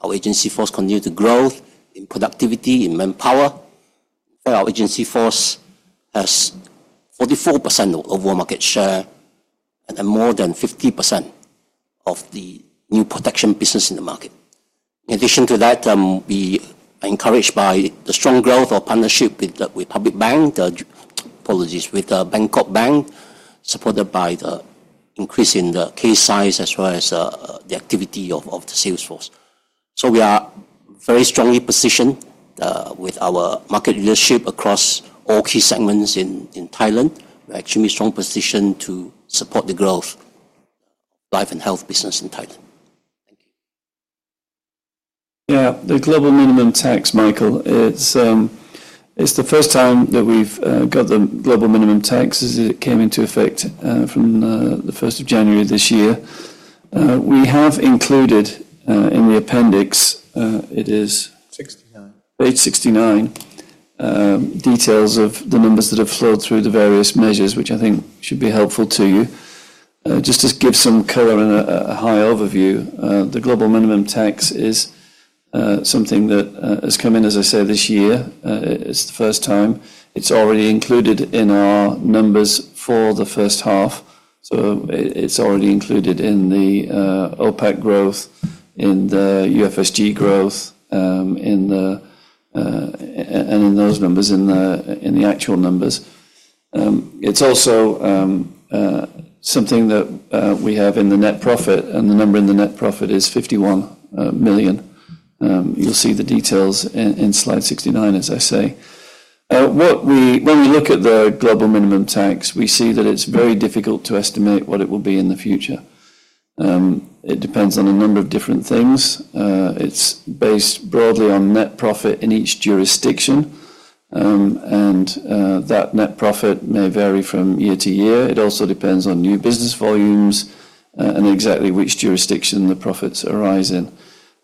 Our agency force continues to grow in productivity, in manpower. Our agency force has 44% of the overall market share and more than 50% of the new protection business in the market. In addition to that, we are encouraged by the strong growth of partnership with the Bangkok Bank, supported by the increase in the case size as well as the activity of the sales force. We are very strongly positioned with our market leadership across all key segments in Thailand. We are actually in a strong position to support the growth of life and health business in Thailand. Yeah. The global minimum tax, Michael, it's the first time that we've got the global minimum tax as it came into effect from the 1st of January of this year. We have included in the appendix, it is page 69, details of the numbers that have flowed through the various measures, which I think should be helpful to you. Just to give some color and a high overview, the global minimum tax is something that has come in, as I say, this year. It's the first time. It's already included in our numbers for the first half. It's already included in the OpEx growth, in the UFSD growth, and in those numbers, in the actual numbers. It's also something that we have in the net profit, and the number in the net profit is $51 million. You'll see the details in slide 69, as I say. When we look at the global minimum tax, we see that it's very difficult to estimate what it will be in the future. It depends on a number of different things. It's based broadly on net profit in each jurisdiction, and that net profit may vary from year to year. It also depends on new business volumes and exactly which jurisdiction the profits arise in.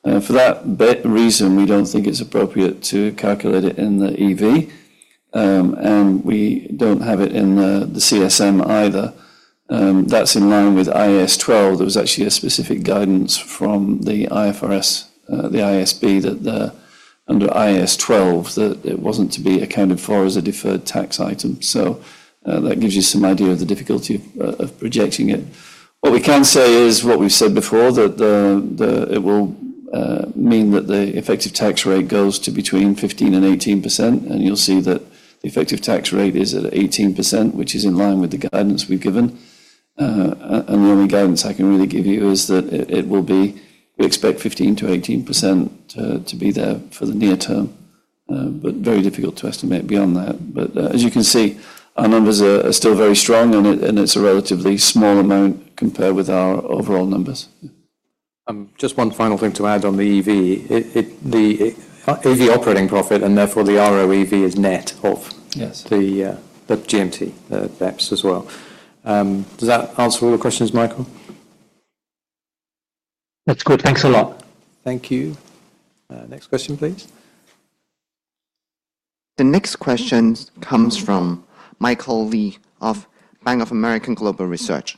For that reason, we don't think it's appropriate to calculate it in the EV, and we don't have it in the CSM either. That's in line with IAS 12. There was actually a specific guidance from the IFRS, the ISB, that under IAS 12, that it wasn't to be accounted for as a deferred tax item. That gives you some idea of the difficulty of projecting it. What we can say is what we've said before, that it will mean that the effective tax rate goes to between 15% and 18%, and you'll see that the effective tax rate is at 18%, which is in line with the guidance we've given. The only guidance I can really give you is that it will be, we expect 15% to 18% to be there for the near term, but very difficult to estimate beyond that. As you can see, our numbers are still very strong, and it's a relatively small amount compared with our overall numbers. I'm. Just one final thing to add on the EV. The EV operating profit, and therefore the ROEV, is net of the GMT, the BEPS as well. Does that answer all the questions, Michael? That's good. Thanks a lot. Thank you. Next question, please. The next question comes from Michael Lee of Bank of America Global Research.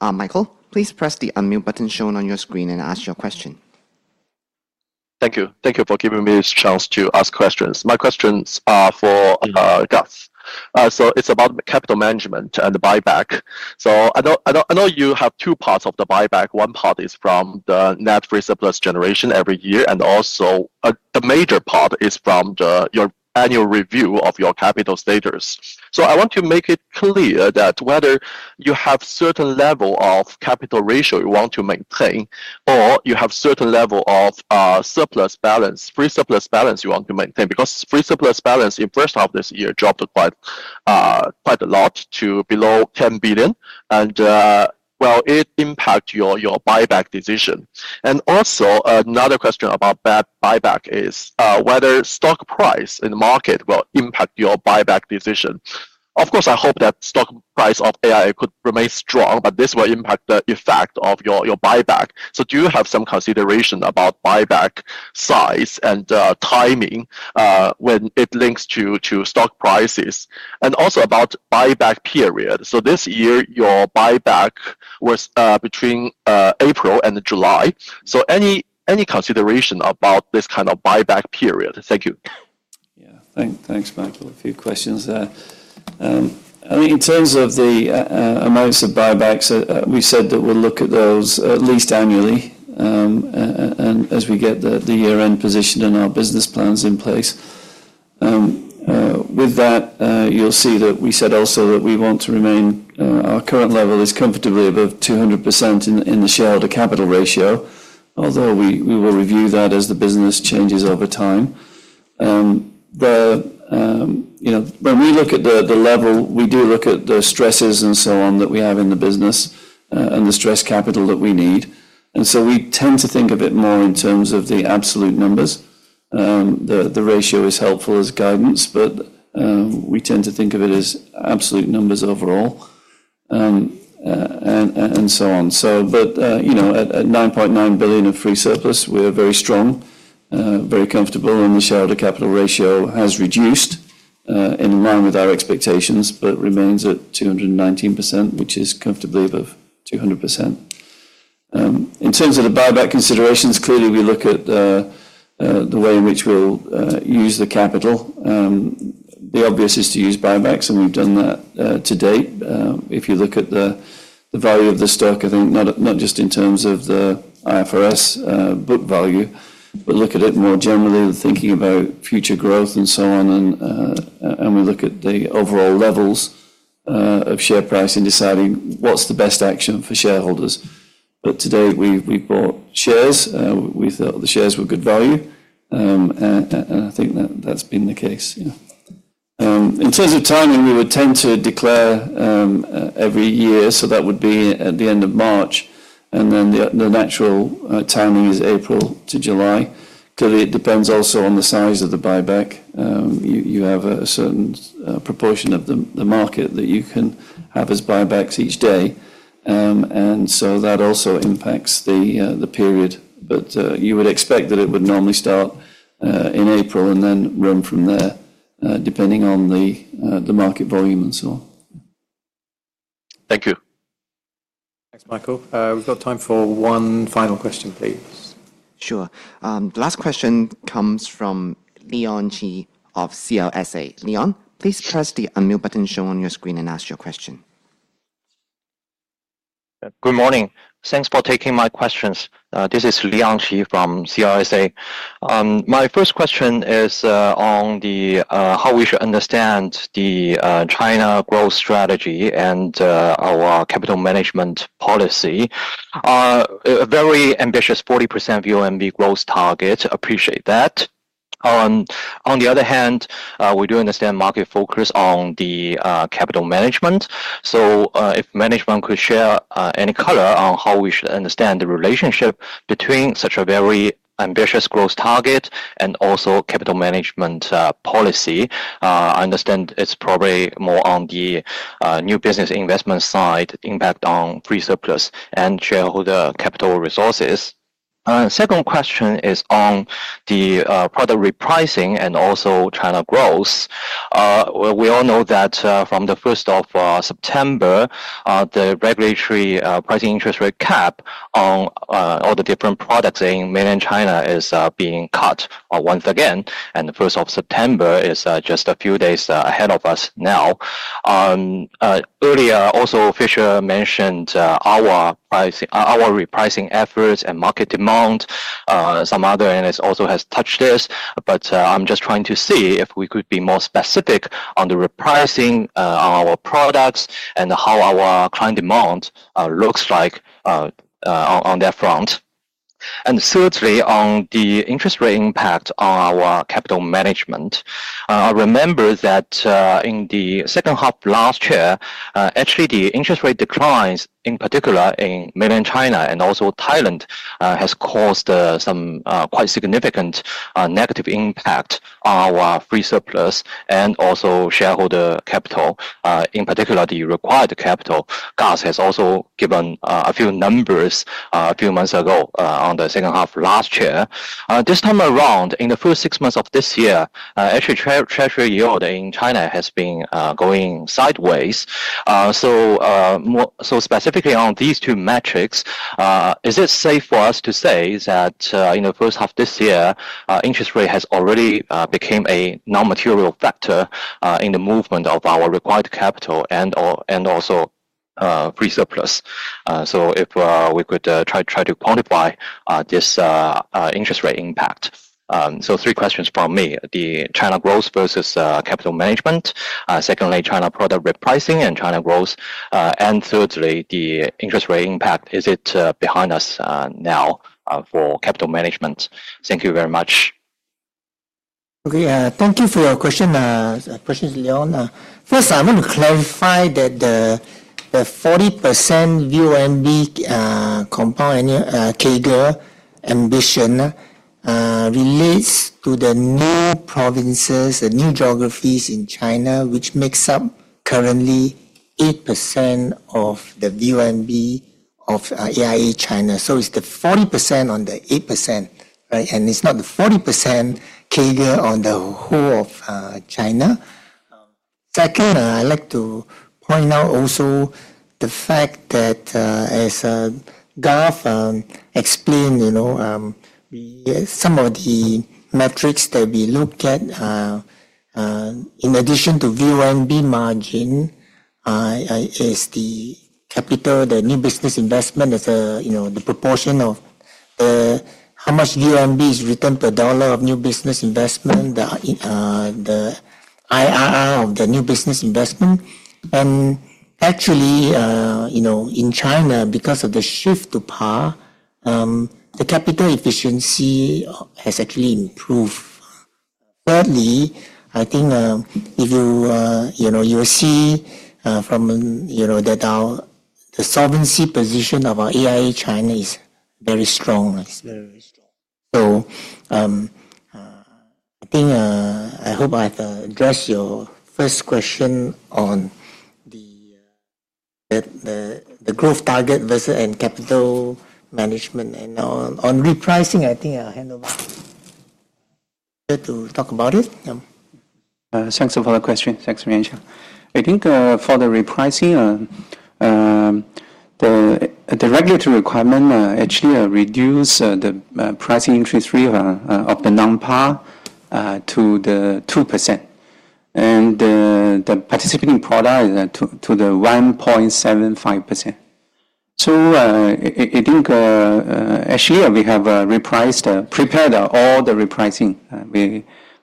Michael, please press the unmute button shown on your screen and ask your question. Thank you. Thank you for giving me this chance to ask questions. My questions are for Garth. It's about capital management and the buyback. I know you have two parts of the buyback. One part is from the net free surplus generation every year, and also a major part is from your annual review of your capital status. I want to make it clear whether you have a certain level of capital ratio you want to maintain, or you have a certain level of free surplus balance you want to maintain, because free surplus balance in the first half of this year dropped quite a lot to below $10 billion. It impacts your buyback decision. Another question about buyback is whether stock price in the market will impact your buyback decision. Of course, I hope that the stock price of AIA Group Limited could remain strong, but this will impact the effect of your buyback. Do you have some consideration about buyback size and timing when it links to stock prices? Also about buyback period, this year your buyback was between April and July. Any consideration about this kind of buyback period? Thank you. Yeah. Thanks, Michael. A few questions there. In terms of the amounts of buybacks, we said that we'll look at those at least annually. As we get the year-end position and our business plans in place, with that, you'll see that we said also that we want to remain our current level is comfortably above 200% in the shareholder capital ratio, although we will review that as the business changes over time. When we look at the level, we do look at the stresses and so on that we have in the business and the stress capital that we need. We tend to think of it more in terms of the absolute numbers. The ratio is helpful as guidance, but we tend to think of it as absolute numbers overall and so on. At $9.9 billion of free surplus, we're very strong, very comfortable, and the shareholder capital ratio has reduced in line with our expectations, but it remains at 219%, which is comfortably above 200%. In terms of the buyback considerations, clearly, we look at the way in which we'll use the capital. The obvious is to use buybacks, and we've done that to date. If you look at the value of the stock, I think not just in terms of the IFRS book value, but look at it more generally, thinking about future growth and so on. We look at the overall levels of share price in deciding what's the best action for shareholders. To date, we've bought shares. We thought the shares were good value, and I think that that's been the case. In terms of timing, we would tend to declare every year. That would be at the end of March, and then the natural timing is April to July. Clearly, it depends also on the size of the buyback. You have a certain proportion of the market that you can have as buybacks each day. That also impacts the period. You would expect that it would normally start in April and then run from there, depending on the market volume and so on. Thanks, Michael. We've got time for one final question, please. Sure. The last question comes from Leon Qi of CLSA. Leon, please press the unmute button shown on your screen and ask your question. Good morning. Thanks for taking my questions. This is Leon Qi from CLSA. My first question is on how we should understand the China growth strategy and our capital management policy. A very ambitious 40% VONB growth target. Appreciate that. On the other hand, we do understand market focus on the capital management. If management could share any color on how we should understand the relationship between such a very ambitious growth target and also capital management policy, I understand it's probably more on the new business investment side, impact on free surplus and shareholder capital resources. Second question is on the product repricing and also China growth. We all know that from the 1st of September, the regulatory pricing interest rate cap on all the different products in mainland China is being cut once again. The 1st of September is just a few days ahead of us now. Earlier, also Fisher Zhang mentioned our repricing efforts and market demand. Some other analysts also have touched this, but I'm just trying to see if we could be more specific on the repricing on our products and how our client demand looks like on that front. Thirdly, on the interest rate impact on our capital management, I remember that in the second half of last year, actually, the interest rate declines in particular in mainland China and also Thailand have caused some quite significant negative impact on our free surplus and also shareholder capital, in particular the required capital. Garth Jones has also given a few numbers a few months ago on the second half of last year. This time around, in the first six months of this year, actually, treasury yield in China has been going sideways. Specifically on these two metrics, is it safe for us to say that in the first half of this year, interest rate has already become a non-material factor in the movement of our required capital and also free surplus? If we could try to quantify this interest rate impact. Three questions from me: the China growth versus capital management, secondly, China product repricing and China growth, and thirdly, the interest rate impact. Is it behind us now for capital management? Thank you very much. Okay. Thank you for your question, President Leon. First, I want to clarify that the 40% VONB compound annual CAGR ambition relates to the new provinces and new geographies in China, which makes up currently 8% of the VONB of AIA China. It's the 40% on the 8%, right? It's not the 40% CAGR on the whole of China. Second, I'd like to point out also the fact that, as Garth explained, you know, some of the metrics that we look at, in addition to VONB margin, is the capital, the new business investment, as a, you know, the proportion of how much VONB is written per dollar of new business investment, the IRR of the new business investment. Actually, you know, in China, because of the shift to participating products, the capital efficiency has actually improved. Currently, I think if you will see from, you know, that our the solvency position of our AIA China is very strong. It's very strong. I hope I can address your first question on the growth target versus capital management. On repricing, I think I'll hand over to talk about it. Thanks for the question. Thanks, Mia. I think for the repricing, the regulatory requirement actually reduced the pricing interest rate of the non-PAR to 2%, and the participating product is to 1.75%. I think actually we have prepared all the repricing.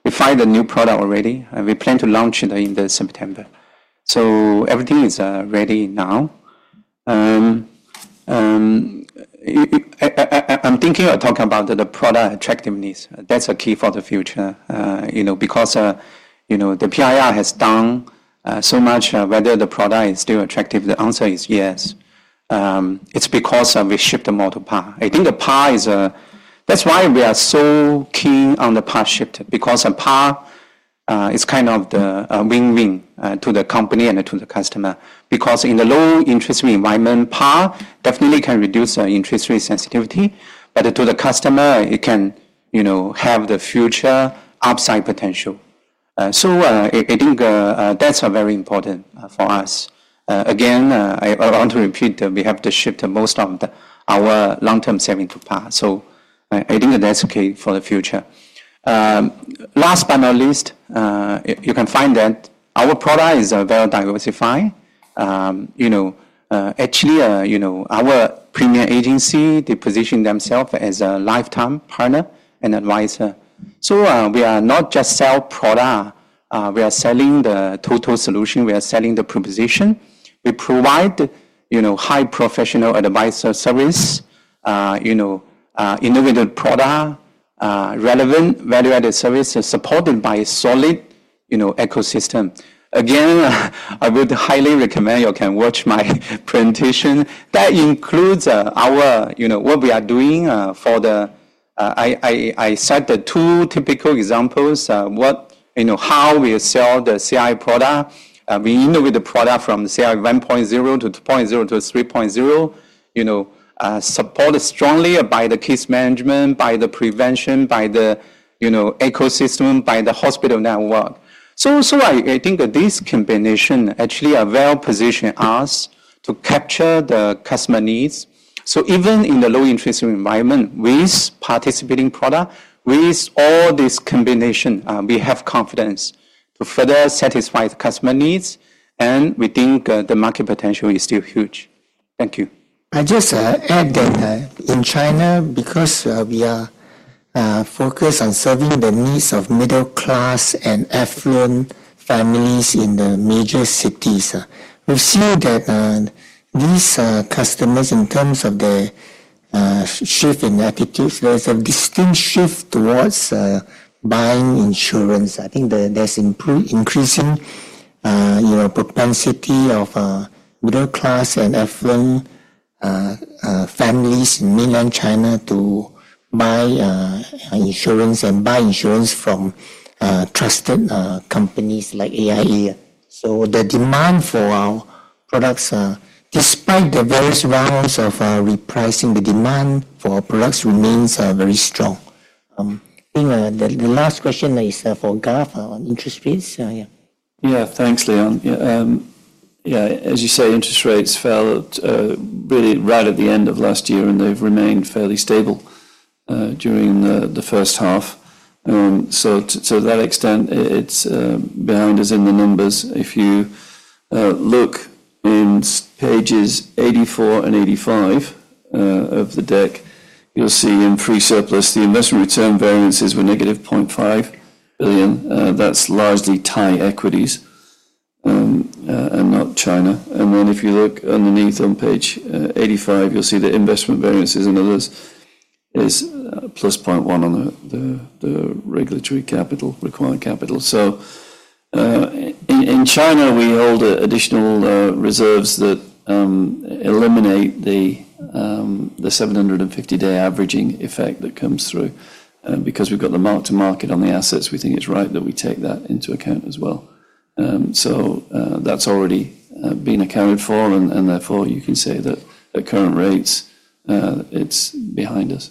We filed a new product already, and we plan to launch it in September. Everything is ready now. I'm thinking about the product attractiveness. That's a key for the future, you know, because, you know, the PIR has done so much. Whether the product is still attractive, the answer is yes. It's because we shipped more to PAR. I think the PAR is a, that's why we are so keen on the PAR shipped because PAR is kind of a win-win to the company and to the customer because in the low interest rate environment, PAR definitely can reduce the interest rate sensitivity. To the customer, it can, you know, have the future upside potential. I think that's very important for us. Again, I want to repeat that we have to ship most of our long-term saving to PAR. I think that's okay for the future. Last but not least, you can find that our product is very diversified. Actually, you know, our Premier Agency, they position themselves as a lifetime partner and advisor. We are not just sell product. We are selling the total solution. We are selling the proposition. We provide, you know, high professional advisor service, innovative product, relevant value-added services supported by a solid, you know, ecosystem. Again, I would highly recommend you can watch my presentation. That includes our, you know, what we are doing for the, I cite the two typical examples: what, you know, how we sell the CI product. We innovate the product from CI 1.0-2.0-3.0, you know, supported strongly by the case management, by the prevention, by the, you know, ecosystem, by the hospital network. I think that this combination actually well-positioned us to capture the customer needs. Even in the low interest rate environment, with participating product, with all this combination, we have confidence to further satisfy the customer needs, and we think the market potential is still huge. Thank you. I just add that in China, because we are focused on serving the needs of middle class and affluent families in the major cities, we see that these customers, in terms of their shift in attitudes, there's a distinct shift towards buying insurance. I think that that's increasing your propensity of middle class and affluent families in mainland China to buy insurance and buy insurance from trusted companies like AIA. The demand for our products, despite the reverse rounds of repricing, the demand for products remains very strong. I think the last question is for Garth on interest rates. Yeah. Thanks, Leon. As you say, interest rates fell really right at the end of last year, and they've remained fairly stable during the first half. To that extent, it's behind us in the numbers. If you look in pages 84 and 85 of the deck, you'll see in free surplus, the investment return variances were negative $0.5 billion. That's largely Thai equities and not China. If you look underneath on page 85, you'll see the investment variances in others is plus $0.1 billion on the regulatory capital required capital. In China, we hold additional reserves that eliminate the 750-day averaging effect that comes through. Because we've got the mark-to-market on the assets, we think it's right that we take that into account as well. That's already been accounted for, and therefore, you can say that at current rates, it's behind us.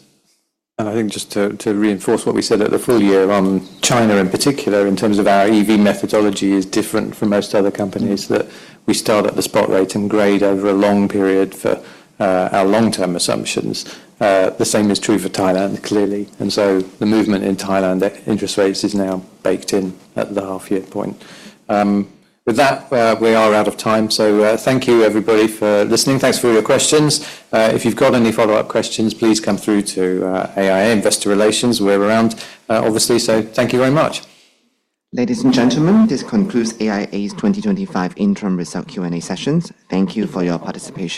I think just to reinforce what we said at the full year on China in particular, in terms of our EV methodology, it is different from most other companies in that we start at the spot rate and grade over a long period for our long-term assumptions. The same is true for Thailand, clearly. The movement in Thailand interest rates is now baked in at the half-year point. With that, we are out of time. Thank you, everybody, for listening. Thanks for all your questions. If you've got any follow-up questions, please come through to AIA Investor Relations. We're around, obviously. Thank you very much. Ladies and gentlemen, this concludes AIA Group Limited's 2025 interim result Q&A sessions. Thank you for your participation.